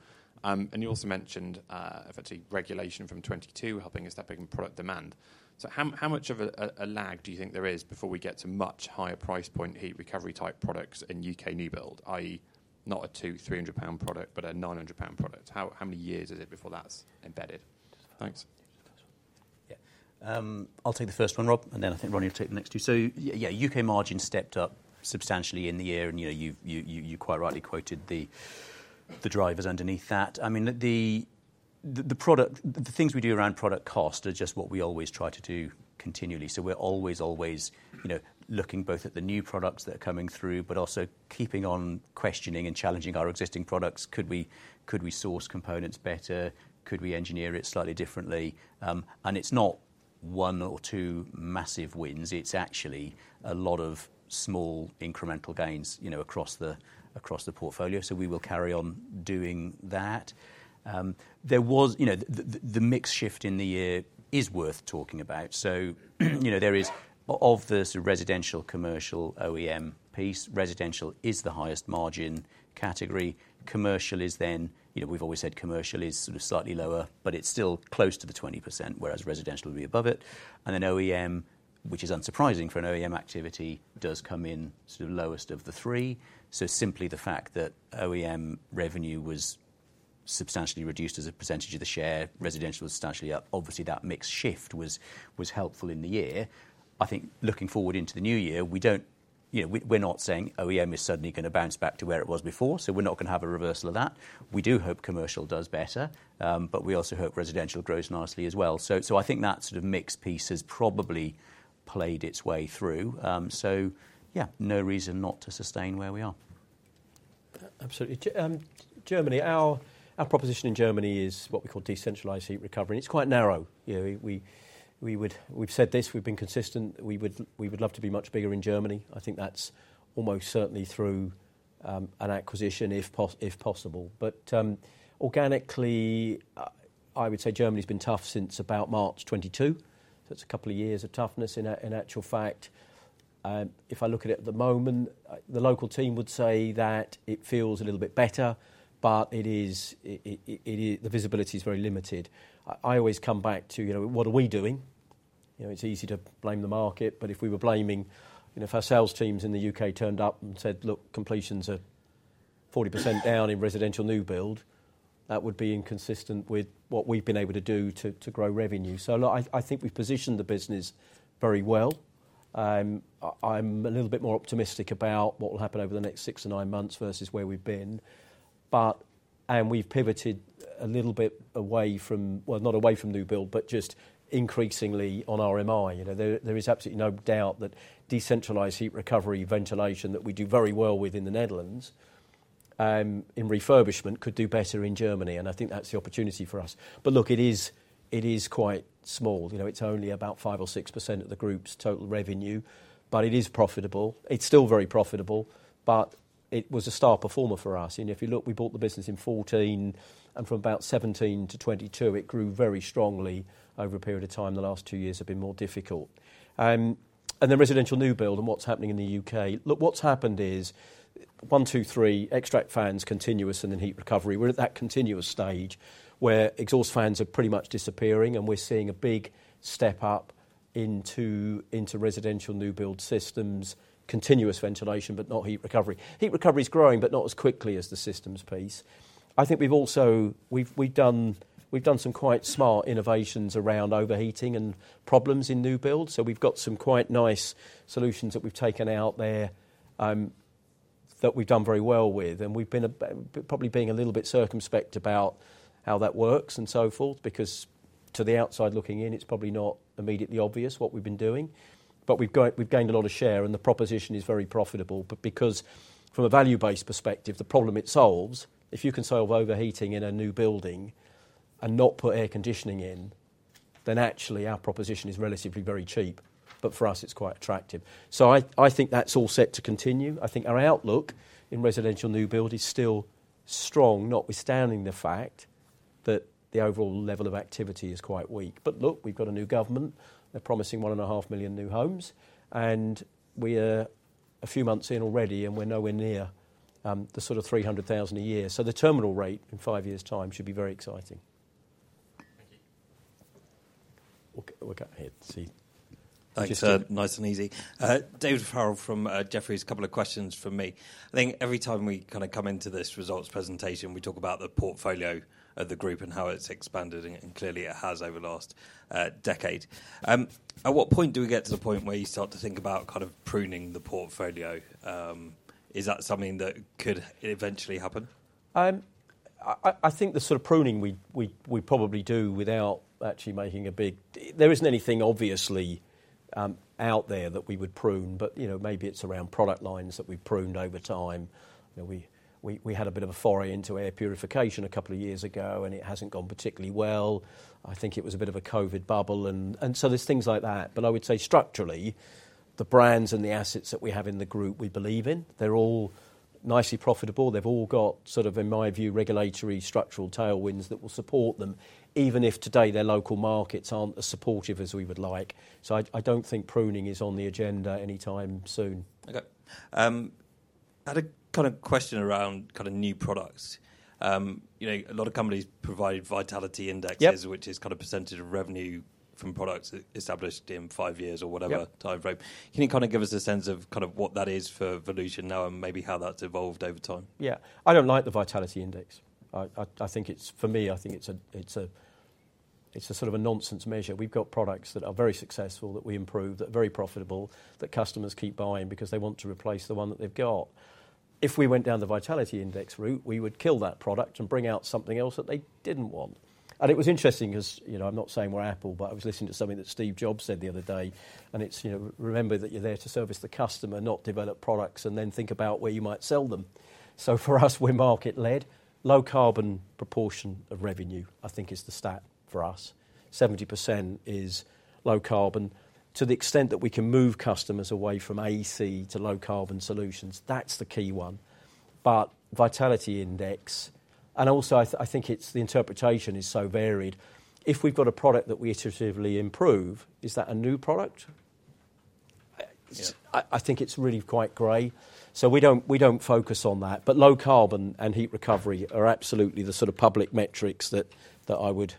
You also mentioned effectively, regulation from 2022 helping a step in product demand. So how much of a lag do you think there is before we get to much higher price point heat recovery type products in U.K. new build, i.e., not a 200-300 pound product, but a 900 pound product? How many years is it before that's embedded? Thanks. Yeah. I'll take the first one, Rob, and then I think Ronnie will take the next two. So yeah, U.K. margin stepped up substantially in the year, and, you know, you've quite rightly quoted the drivers underneath that. I mean, the product, the things we do around product cost are just what we always try to do continually. So we're always, you know, looking both at the new products that are coming through, but also keeping on questioning and challenging our existing products. Could we source components better? Could we engineer it slightly differently? And it's not one or two massive wins, it's actually a lot of small incremental gains, you know, across the portfolio, so we will carry on doing that. There was... You know, the mix shift in the year is worth talking about, so you know, there is of the sort of residential, commercial, OEM piece, residential is the highest margin category. Commercial is then, you know, we've always said commercial is sort of slightly lower, but it's still close to the 20%, whereas residential will be above it, and then OEM, which is unsurprising for an OEM activity, does come in sort of lowest of the three, so simply the fact that OEM revenue was substantially reduced as a percentage of the share, residential was substantially up, obviously, that mix shift was helpful in the year. I think looking forward into the new year, we don't... You know, we're not saying OEM is suddenly gonna bounce back to where it was before, so we're not gonna have a reversal of that. We do hope commercial does better, but we also hope residential grows nicely as well. So I think that sort of mix piece has probably played its way through. So yeah, no reason not to sustain where we are. Absolutely. Germany, our proposition in Germany is what we call decentralized heat recovery, and it's quite narrow. You know, we would. We've said this, we've been consistent. We would, we would love to be much bigger in Germany. I think that's almost certainly through an acquisition, if possible. But organically, I would say Germany's been tough since about March 2022, so it's a couple of years of toughness in actual fact. If I look at it at the moment, the local team would say that it feels a little bit better, but it is it is. The visibility is very limited. I always come back to, you know, what are we doing? You know, it's easy to blame the market, but if we were blaming. You know, if our sales teams in the U.K. turned up and said, "Look, completions are 40% down in residential new build," that would be inconsistent with what we've been able to do to grow revenue. So look, I think we've positioned the business very well. I'm a little bit more optimistic about what will happen over the next six to nine months versus where we've been. But we've pivoted a little bit away from... Well, not away from new build, but just increasingly on RMI. You know, there is absolutely no doubt that decentralized heat recovery ventilation that we do very well with in the Netherlands, in refurbishment, could do better in Germany, and I think that's the opportunity for us. But look, it is quite small. You know, it's only about 5% or 6% of the group's total revenue, but it is profitable. It's still very profitable, but it was a star performer for us. You know, if you look, we bought the business in 2014, and from about 2017 to 2022, it grew very strongly over a period of time. The last two years have been more difficult, and the residential new build and what's happening in the U.K., look, what's happened is one, two, three, extract fans, continuous, and then heat recovery. We're at that continuous stage, where exhaust fans are pretty much disappearing, and we're seeing a big step up into residential new build systems, continuous ventilation, but not heat recovery. Heat recovery is growing, but not as quickly as the systems piece. I think we've also... We've done some quite smart innovations around overheating and problems in new build, so we've got some quite nice solutions that we've taken out there, that we've done very well with, and we've been probably being a little bit circumspect about how that works and so forth, because to the outside looking in, it's probably not immediately obvious what we've been doing. But we've gained a lot of share, and the proposition is very profitable. But because from a value-based perspective, the problem it solves, if you can solve overheating in a new building and not put air conditioning in, then actually our proposition is relatively very cheap. But for us, it's quite attractive. So I think that's all set to continue. I think our outlook in residential new build is still strong, notwithstanding the fact that the overall level of activity is quite weak. But look, we've got a new government. They're promising 1.5 million new homes, and we are a few months in already, and we're nowhere near the sort of 300,000 a year. So the terminal rate in five years' time should be very exciting. Thank you. We'll go ahead. Thanks, nice and easy. David Farrell from Jefferies. A couple of questions from me. I think every time we kind of come into this results presentation, we talk about the portfolio of the group and how it's expanded, and clearly, it has over the last decade. At what point do we get to the point where you start to think about kind of pruning the portfolio? Is that something that could eventually happen? I think the sort of pruning we probably do without actually making a big... There isn't anything obviously out there that we would prune, but you know, maybe it's around product lines that we've pruned over time. You know, we had a bit of a foray into air purification a couple of years ago, and it hasn't gone particularly well. I think it was a bit of a COVID bubble and so there's things like that. But I would say structurally, the brands and the assets that we have in the group, we believe in. They're all nicely profitable. They've all got sort of, in my view, regulatory structural tailwinds that will support them, even if today their local markets aren't as supportive as we would like. So I don't think pruning is on the agenda anytime soon. Okay. I had a kind of question around kind of new products. You know, a lot of companies provide vitality indexes- Yep... which is kind of percentage of revenue from products established in five years or whatever- Yep... time frame. Can you kind of give us a sense of kind of what that is for Volution now, and maybe how that's evolved over time? Yeah. I don't like the Vitality Index. I think it's, for me, I think it's a... It's a sort of a nonsense measure. We've got products that are very successful, that we improved, that are very profitable, that customers keep buying because they want to replace the one that they've got. If we went down the Vitality Index route, we would kill that product and bring out something else that they didn't want. And it was interesting, 'cause, you know, I'm not saying we're Apple, but I was listening to something that Steve Jobs said the other day, and it's, you know, "Remember that you're there to service the customer, not develop products and then think about where you might sell them." So for us, we're market-led. Low carbon proportion of revenue, I think, is the stat for us. 70% is low carbon. To the extent that we can move customers away from AC to low-carbon solutions, that's the key one. But Vitality Index. And also, I think it's, the interpretation is so varied. If we've got a product that we iteratively improve, is that a new product? I think it's really quite gray, so we don't focus on that, but low carbon and heat recovery are absolutely the sort of public metrics that I would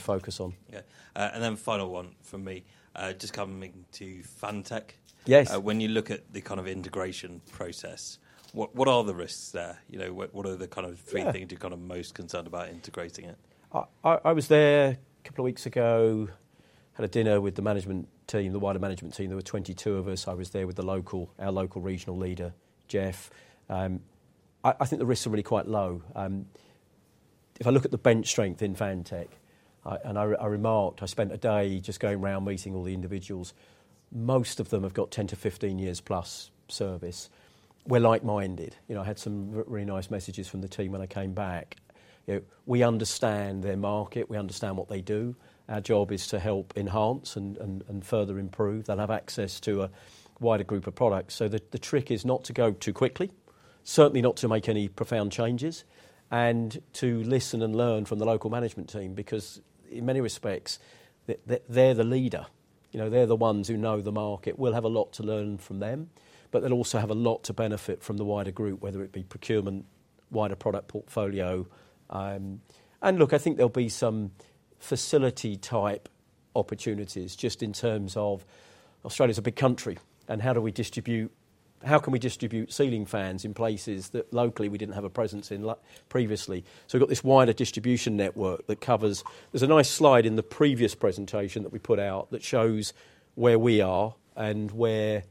focus on. Yeah. And then final one from me. Just coming to Fantech. Yes. When you look at the kind of integration process, what are the risks there? You know, what are the kind of- Yeah... three things you're kind of most concerned about integrating it? I was there a couple of weeks ago, had a dinner with the management team, the wider management team. There were 22 of us. I was there with the local, our local regional leader, Jeff. I think the risks are really quite low. If I look at the bench strength in Fantech, and I remarked, I spent a day just going around meeting all the individuals. Most of them have got 10-15 years plus service. We're like-minded. You know, I had some really nice messages from the team when I came back. You know, we understand their market, we understand what they do. Our job is to help enhance and further improve. They'll have access to a wider group of products. So the trick is not to go too quickly, certainly not to make any profound changes, and to listen and learn from the local management team, because in many respects, they're the leader. You know, they're the ones who know the market. We'll have a lot to learn from them, but they'll also have a lot to benefit from the wider group, whether it be procurement, wider product portfolio. And look, I think there'll be some facility-type opportunities just in terms of Australia's a big country, and how can we distribute ceiling fans in places that locally we didn't have a presence in previously? So we've got this wider distribution network that covers. There's a nice slide in the previous presentation that we put out that shows where we are and where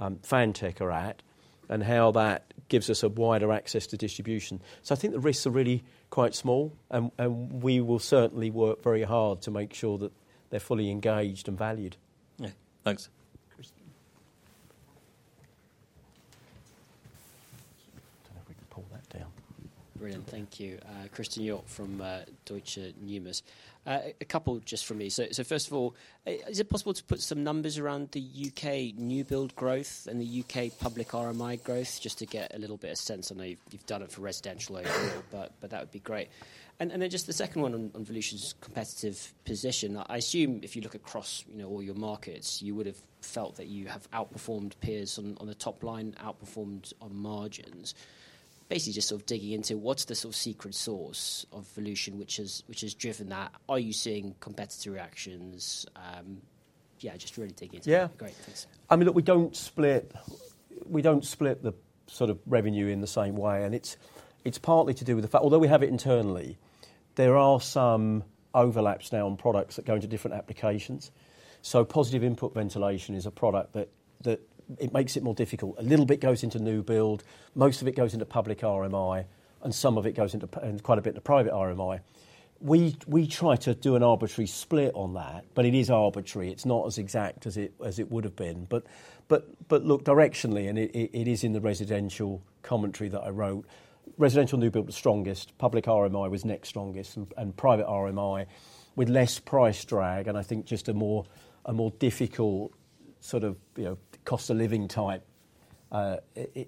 Fantech are at, and how that gives us a wider access to distribution, so I think the risks are really quite small, and we will certainly work very hard to make sure that they're fully engaged and valued. Yeah. Thanks. Christen. Don't know if we can pull that down. Brilliant. Thank you. Christen Hjorth from Deutsche Numis. A couple just from me. So first of all, is it possible to put some numbers around the U.K. new build growth and the U.K. public RMI growth, just to get a little bit of sense? I know you've done it for residential overall, but that would be great. Then just the second one on Volution's competitive position. I assume if you look across, you know, all your markets, you would have felt that you have outperformed peers on the top line, outperformed on margins. Basically, just sort of digging into what's the sort of secret sauce of Volution, which has driven that? Are you seeing competitor reactions? Yeah, just really dig into it. Yeah. Great. Thanks. I mean, look, we don't split, we don't split the sort of revenue in the same way, and it's, it's partly to do with the fact, although we have it internally, there are some overlaps now on products that go into different applications. So Positive Input Ventilation is a product that, that it makes it more difficult. A little bit goes into new build, most of it goes into public RMI, and some of it goes into and quite a bit into private RMI. We, we try to do an arbitrary split on that, but it is arbitrary, it's not as exact as it, as it would've been. But look, directionally, and it is in the residential commentary that I wrote, residential new build was strongest, public RMI was next strongest, and private RMI, with less price drag, and I think just a more difficult sort of, you know, cost of living type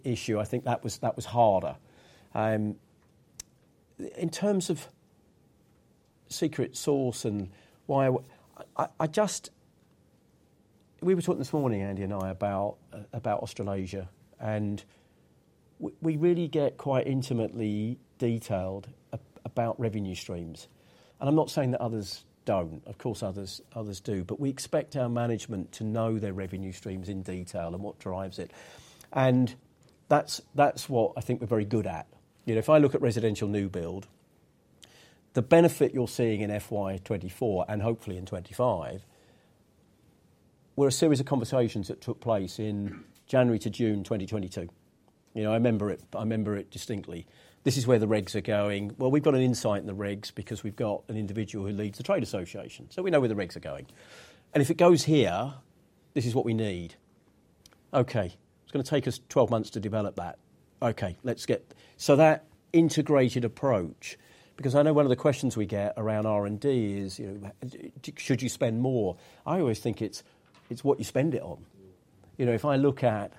issue, I think that was harder. In terms of secret sauce and why I just... We were talking this morning, Andy and I, about Australasia, and we really get quite intimately detailed about revenue streams. And I'm not saying that others don't. Of course, others do, but we expect our management to know their revenue streams in detail and what drives it. And that's what I think we're very good at. You know, if I look at residential new build, the benefit you're seeing in FY 2024, and hopefully in 2025, were a series of conversations that took place in January to June 2022. You know, I remember it, I remember it distinctly. This is where the regs are going. Well, we've got an insight in the regs because we've got an individual who leads the trade association, so we know where the regs are going. And if it goes here, this is what we need. Okay, it's gonna take us 12 months to develop that. Okay, let's get. So that integrated approach, because I know one of the questions we get around R&D is, you know, should you spend more? I always think it's, it's what you spend it on. You know, if I look at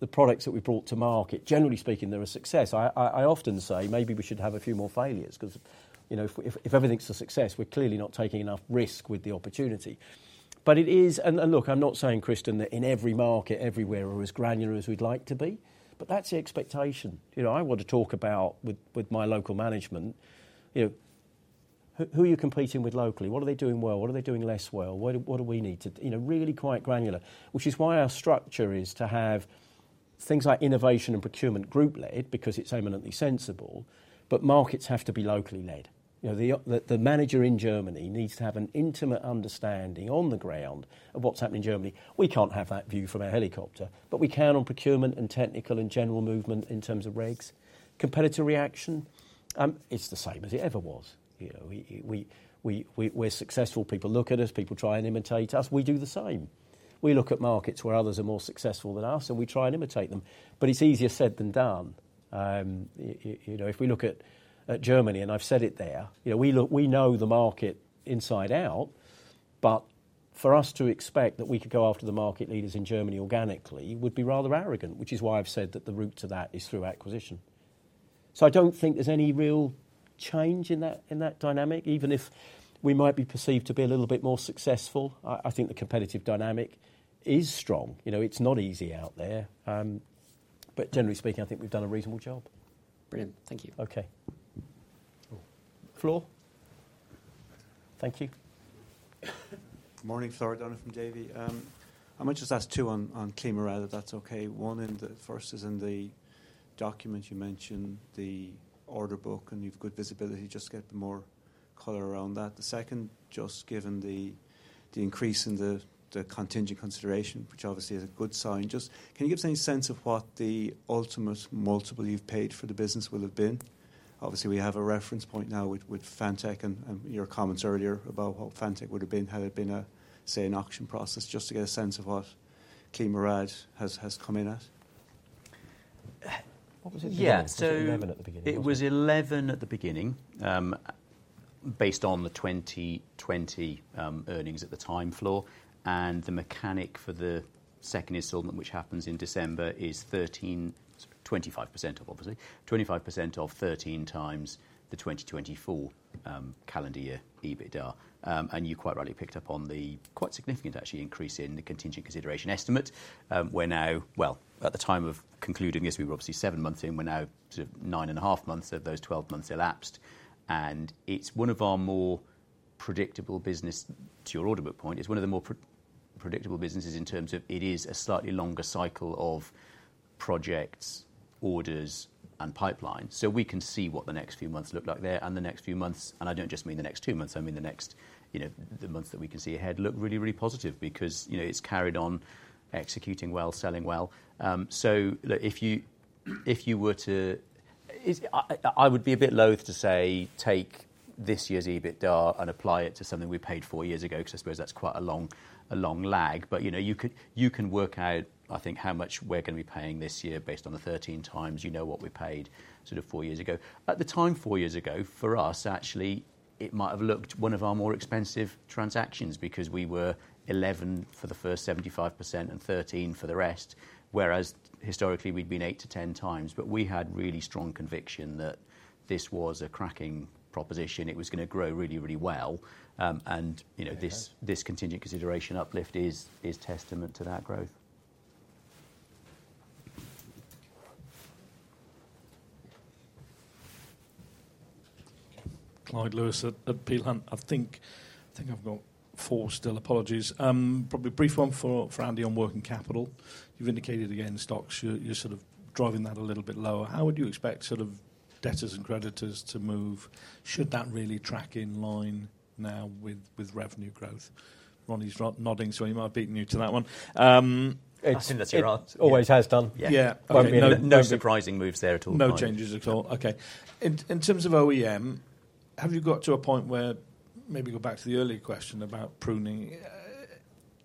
the products that we've brought to market, generally speaking, they're a success. I often say maybe we should have a few more failures, 'cause, you know, if everything's a success, we're clearly not taking enough risk with the opportunity. But it is. And look, I'm not saying, Christen, that in every market, everywhere, we're as granular as we'd like to be, but that's the expectation. You know, I want to talk about, with my local management, you know, "Who are you competing with locally? What are they doing well? What are they doing less well? What do we need to..." You know, really quite granular, which is why our structure is to have things like innovation and procurement group-led because it's eminently sensible, but markets have to be locally led. You know, the manager in Germany needs to have an intimate understanding on the ground of what's happening in Germany. We can't have that view from a helicopter, but we can on procurement, and technical, and general movement in terms of regs. Competitive reaction, it's the same as it ever was. You know, we're successful. People look at us. People try and imitate us. We do the same. We look at markets where others are more successful than us, and we try and imitate them, but it's easier said than done. You know, if we look at Germany, and I've said it there, you know, we look... We know the market inside out, but for us to expect that we could go after the market leaders in Germany organically would be rather arrogant, which is why I've said that the route to that is through acquisition. So I don't think there's any real change in that, in that dynamic, even if we might be perceived to be a little bit more successful. I think the competitive dynamic is strong. You know, it's not easy out there. But generally speaking, I think we've done a reasonable job. Brilliant. Thank you. Okay. Flor? Thank you. Good morning, Flor O'Donoghue from Davy. I might just ask two on ClimaRad, if that's okay. First is in the document you mentioned, the order book, and you've good visibility. Just get more color around that. The second, just given the increase in the contingent consideration, which obviously is a good sign, just can you give us any sense of what the ultimate multiple you've paid for the business will have been? Obviously, we have a reference point now with Fantech and your comments earlier about what Fantech would've been, had it been a, say, an auction process, just to get a sense of what ClimaRad has come in at. What was it? Yeah. 11 at the beginning. It was 11 at the beginning, based on the twenty twenty earnings at the time, Flor, and the mechanic for the second installment, which happens in December, is 13... 25% of, obviously, 25% of 13 times the 2024 calendar year EBITDA. And you quite rightly picked up on the quite significant, actually, increase in the contingent consideration estimate. We're now... Well, at the time of concluding this, we were obviously seven months in. We're now sort of nine and a half months of those twelve months elapsed, and it's one of our more predictable business, to your order book point, it's one of the more predictable businesses in terms of it is a slightly longer cycle of projects, orders, and pipelines. So we can see what the next few months look like there and the next few months, and I don't just mean the next two months, I mean the next, you know, the months that we can see ahead, look really, really positive because, you know, it's carried on executing well, selling well. So look, if you were to... I would be a bit loath to say, take this year's EBITDA and apply it to something we paid four years ago, 'cause I suppose that's quite a long lag. But, you know, you can work out, I think, how much we're gonna be paying this year based on the 13 times. You know what we paid sort of four years ago. At the time, four years ago, for us, actually, it might have looked one of our more expensive transactions, because we were 11 for the first 75% and 13 for the rest, whereas historically, we'd been 8-10 times. But we had really strong conviction that this was a cracking proposition. It was gonna grow really, really well. And, you know- It has... this contingent consideration uplift is testament to that growth. Clyde Lewis at Peel Hunt. I think I've got four still. Apologies. Probably a brief one for Andy on working capital. You've indicated again, stocks, you're sort of driving that a little bit lower. How would you expect sort of debtors and creditors to move? Should that really track in line now with revenue growth? Ronnie's nodding, so he might have beaten me to that one. It's- I think that's your answer. Always has done. Yeah. Yeah. I mean, no surprising moves there at all. No changes at all. Okay. In terms of OEM, have you got to a point where... Maybe go back to the earlier question about pruning.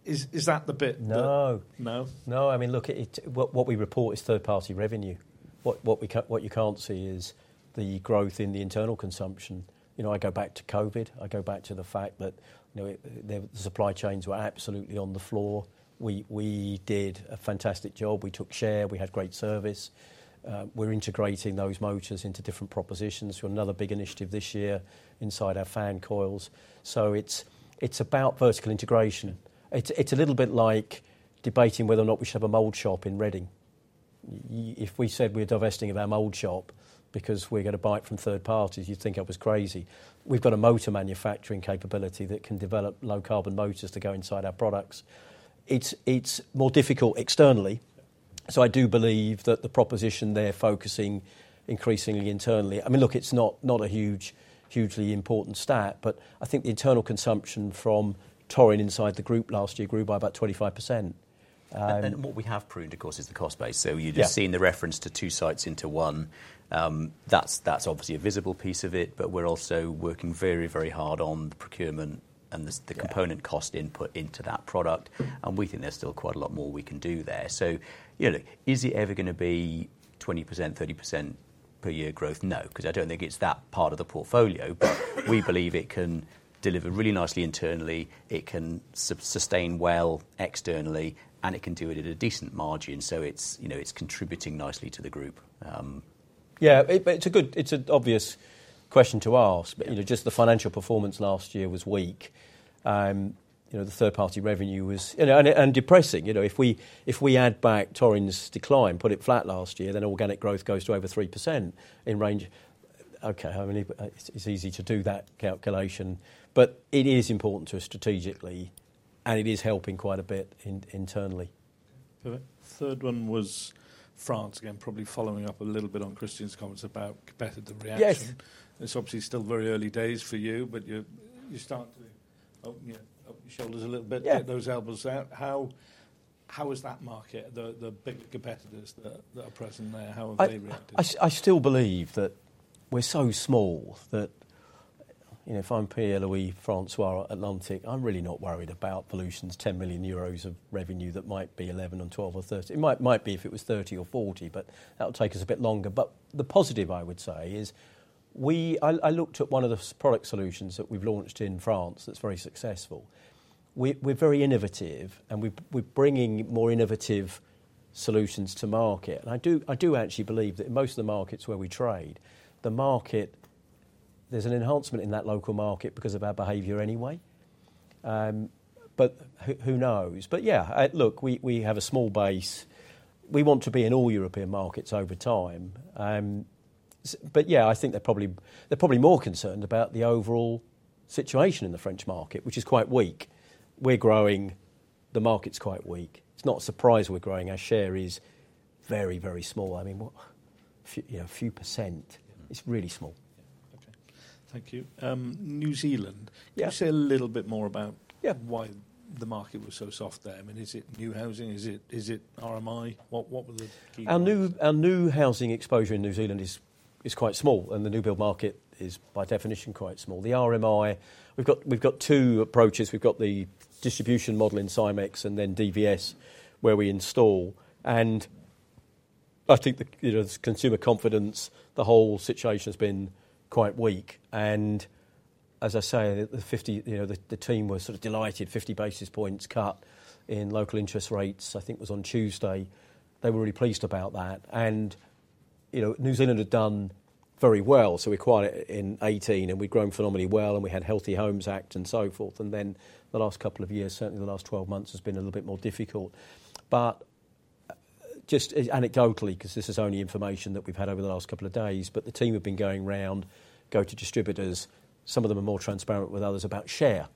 Is that the bit that- No. No? No, I mean, look, it, what we report is third-party revenue. What you can't see is the growth in the internal consumption. You know, I go back to COVID. I go back to the fact that, you know, the supply chains were absolutely on the floor. We did a fantastic job. We took share. We had great service. We're integrating those motors into different propositions for another big initiative this year inside our fan coils. So it's about vertical integration. It's a little bit like debating whether or not we should have a mold shop in Reading. If we said we're divesting of our mold shop because we're gonna buy it from third parties, you'd think I was crazy. We've got a motor manufacturing capability that can develop low-carbon motors to go inside our products. It's more difficult externally, so I do believe that the proposition there, focusing increasingly internally. I mean, look, it's not hugely important stat, but I think the internal consumption from Torin inside the group last year grew by about 25%. What we have pruned, of course, is the cost base. Yeah. So you've just seen the reference to two sites into one. That's, that's obviously a visible piece of it, but we're also working very, very hard on the procurement and the component cost input into that product, and we think there's still quite a lot more we can do there. So, you know, look, is it ever gonna be 20%-30% per year growth? No, 'cause I don't think it's that part of the portfolio. But we believe it can deliver really nicely internally, it can sustain well externally, and it can do it at a decent margin, so it's, you know, it's contributing nicely to the group. Yeah, but it's a good... It's an obvious question to ask. But, you know, just the financial performance last year was weak. You know, the third-party revenue was... You know, and depressing. You know, if we add back Torin's decline, put it flat last year, then organic growth goes to over 3% in range. Okay, I mean, it's easy to do that calculation, but it is important to us strategically, and it is helping quite a bit internally. The third one was France. Again, probably following up a little bit on Christen's comments about competitor reaction. Yes! It's obviously still very early days for you, but you're starting to open your shoulders a little bit- Yeah. Get those elbows out. How is that market, the big competitors that are present there, how have they reacted? I still believe that we're so small that, you know, if I'm Pierre-Louis François at Atlantic, I'm really not worried about Volution's 10 million euros of revenue that might be 11 or 12 or 13. It might be if it was 30 or 40, but that'll take us a bit longer. The positive, I would say, is we I looked at one of the product solutions that we've launched in France that's very successful. We're very innovative, and we're bringing more innovative solutions to market. I do actually believe that in most of the markets where we trade, the market, there's an enhancement in that local market because of our behavior anyway. But who knows? Yeah, I look, we have a small base. We want to be in all European markets over time. but yeah, I think they're probably, they're probably more concerned about the overall situation in the French market, which is quite weak. We're growing. The market's quite weak. It's not a surprise we're growing. Our share is very, very small. I mean, what, few, you know, few %. It's really small. Yeah. Okay. Thank you. New Zealand- Yeah. Can you say a little bit more about- Yeah... why the market was so soft there? I mean, is it new housing? Is it RMI? What were the key- Our new housing exposure in New Zealand is quite small, and the new build market is, by definition, quite small. The RMI, we've got two approaches. We've got the distribution model in Simx, and then DVS, where we install, and I think you know, the consumer confidence, the whole situation has been quite weak. And as I say, the 50, you know, the team were sort of delighted, 50 basis points cut in local interest rates, I think it was on Tuesday. They were really pleased about that. You know, New Zealand had done very well, so we're quite... In 2018, and we'd grown phenomenally well, and we had Healthy Homes Act, and so forth. Then the last couple of years, certainly the last 12 months, has been a little bit more difficult. But just anecdotally, 'cause this is only information that we've had over the last couple of days, but the team have been going round, go to distributors. Some of them are more transparent than others about share.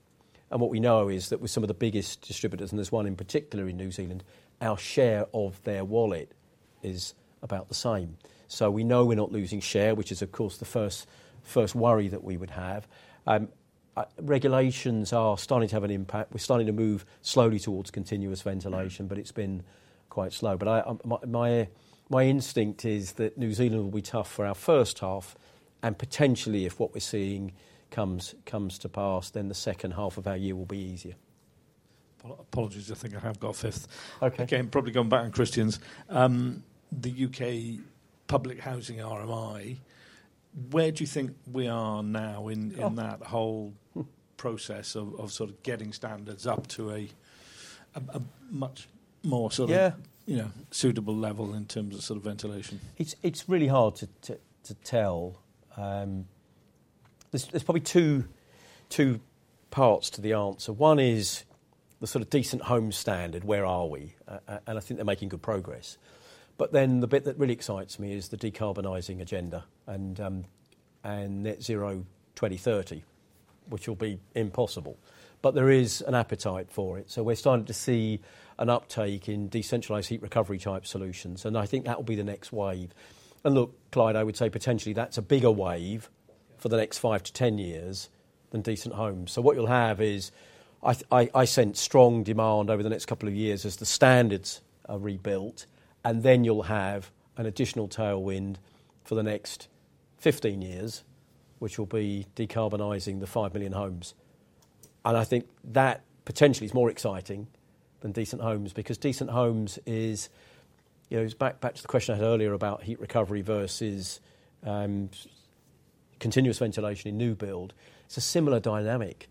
And what we know is that with some of the biggest distributors, and there's one in particular in New Zealand, our share of their wallet is about the same. So we know we're not losing share, which is, of course, the first worry that we would have. Regulations are starting to have an impact. We're starting to move slowly towards continuous ventilation but it's been quite slow. But my instinct is that New Zealand will be tough for our first half, and Potentially, if what we're seeing comes to pass, then the second half of our year will be easier. Apologies, I think I have got a fifth. Okay. Again, probably going back on Christen's. The U.K. public housing RMI, where do you think we are now in that whole process of sort of getting standards up to a much more sort of- Yeah... you know, suitable level in terms of sort of ventilation? It's really hard to tell. There's probably two parts to the answer. One is the sort of Decent Homes Standard, where are we? And I think they're making good progress. But then, the bit that really excites me is the decarbonizing agenda and net zero 2030, which will be impossible, but there is an appetite for it. So we're starting to see an uptake in decentralized heat recovery type solutions, and I think that will be the next wave. And look, Clyde, I would say Potentially, that's a bigger wave for the next five to 10 years than Decent Homes. So what you'll have is, I sense strong demand over the next couple of years as the standards are rebuilt, and then you'll have an additional tailwind for the next fifteen years, which will be decarbonizing the five million homes. And I think that Potentially is more exciting than Decent Homes, because Decent Homes is, you know, it's back to the question I had earlier about heat recovery versus continuous ventilation in new build. It's a similar dynamic.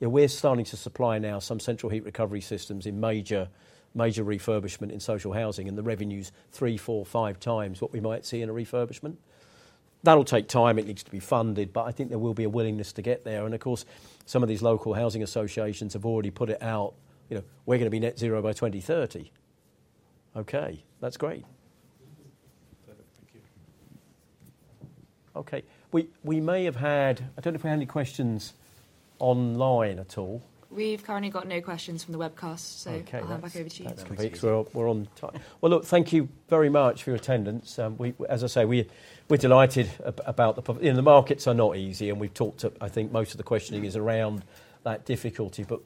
You know, we're starting to supply now some central heat recovery systems in major refurbishment in social housing, and the revenue's three, four, five times what we might see in a refurbishment. That'll take time. It needs to be funded, but I think there will be a willingness to get there. And of course, some of these local housing associations have already put it out. You know, "We're gonna be net zero by 2030." Okay, that's great. Perfect. Thank you. Okay. We may have had... I don't know if we had any questions online at all. We've currently got no questions from the webcast, so- Okay. I'll hand back over to you. That's great. We're on time. Well, look, thank you very much for your attendance. As I say, we're delighted about the publication. You know, the markets are not easy, and we've talked to... I think most of the questioning is around that difficulty. But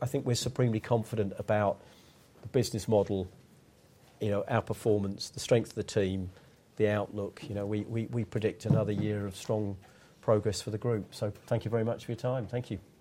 I think we're supremely confident about the business model, you know, our performance, the strength of the team, the outlook. You know, we predict another year of strong progress for the group. So thank you very much for your time. Thank you.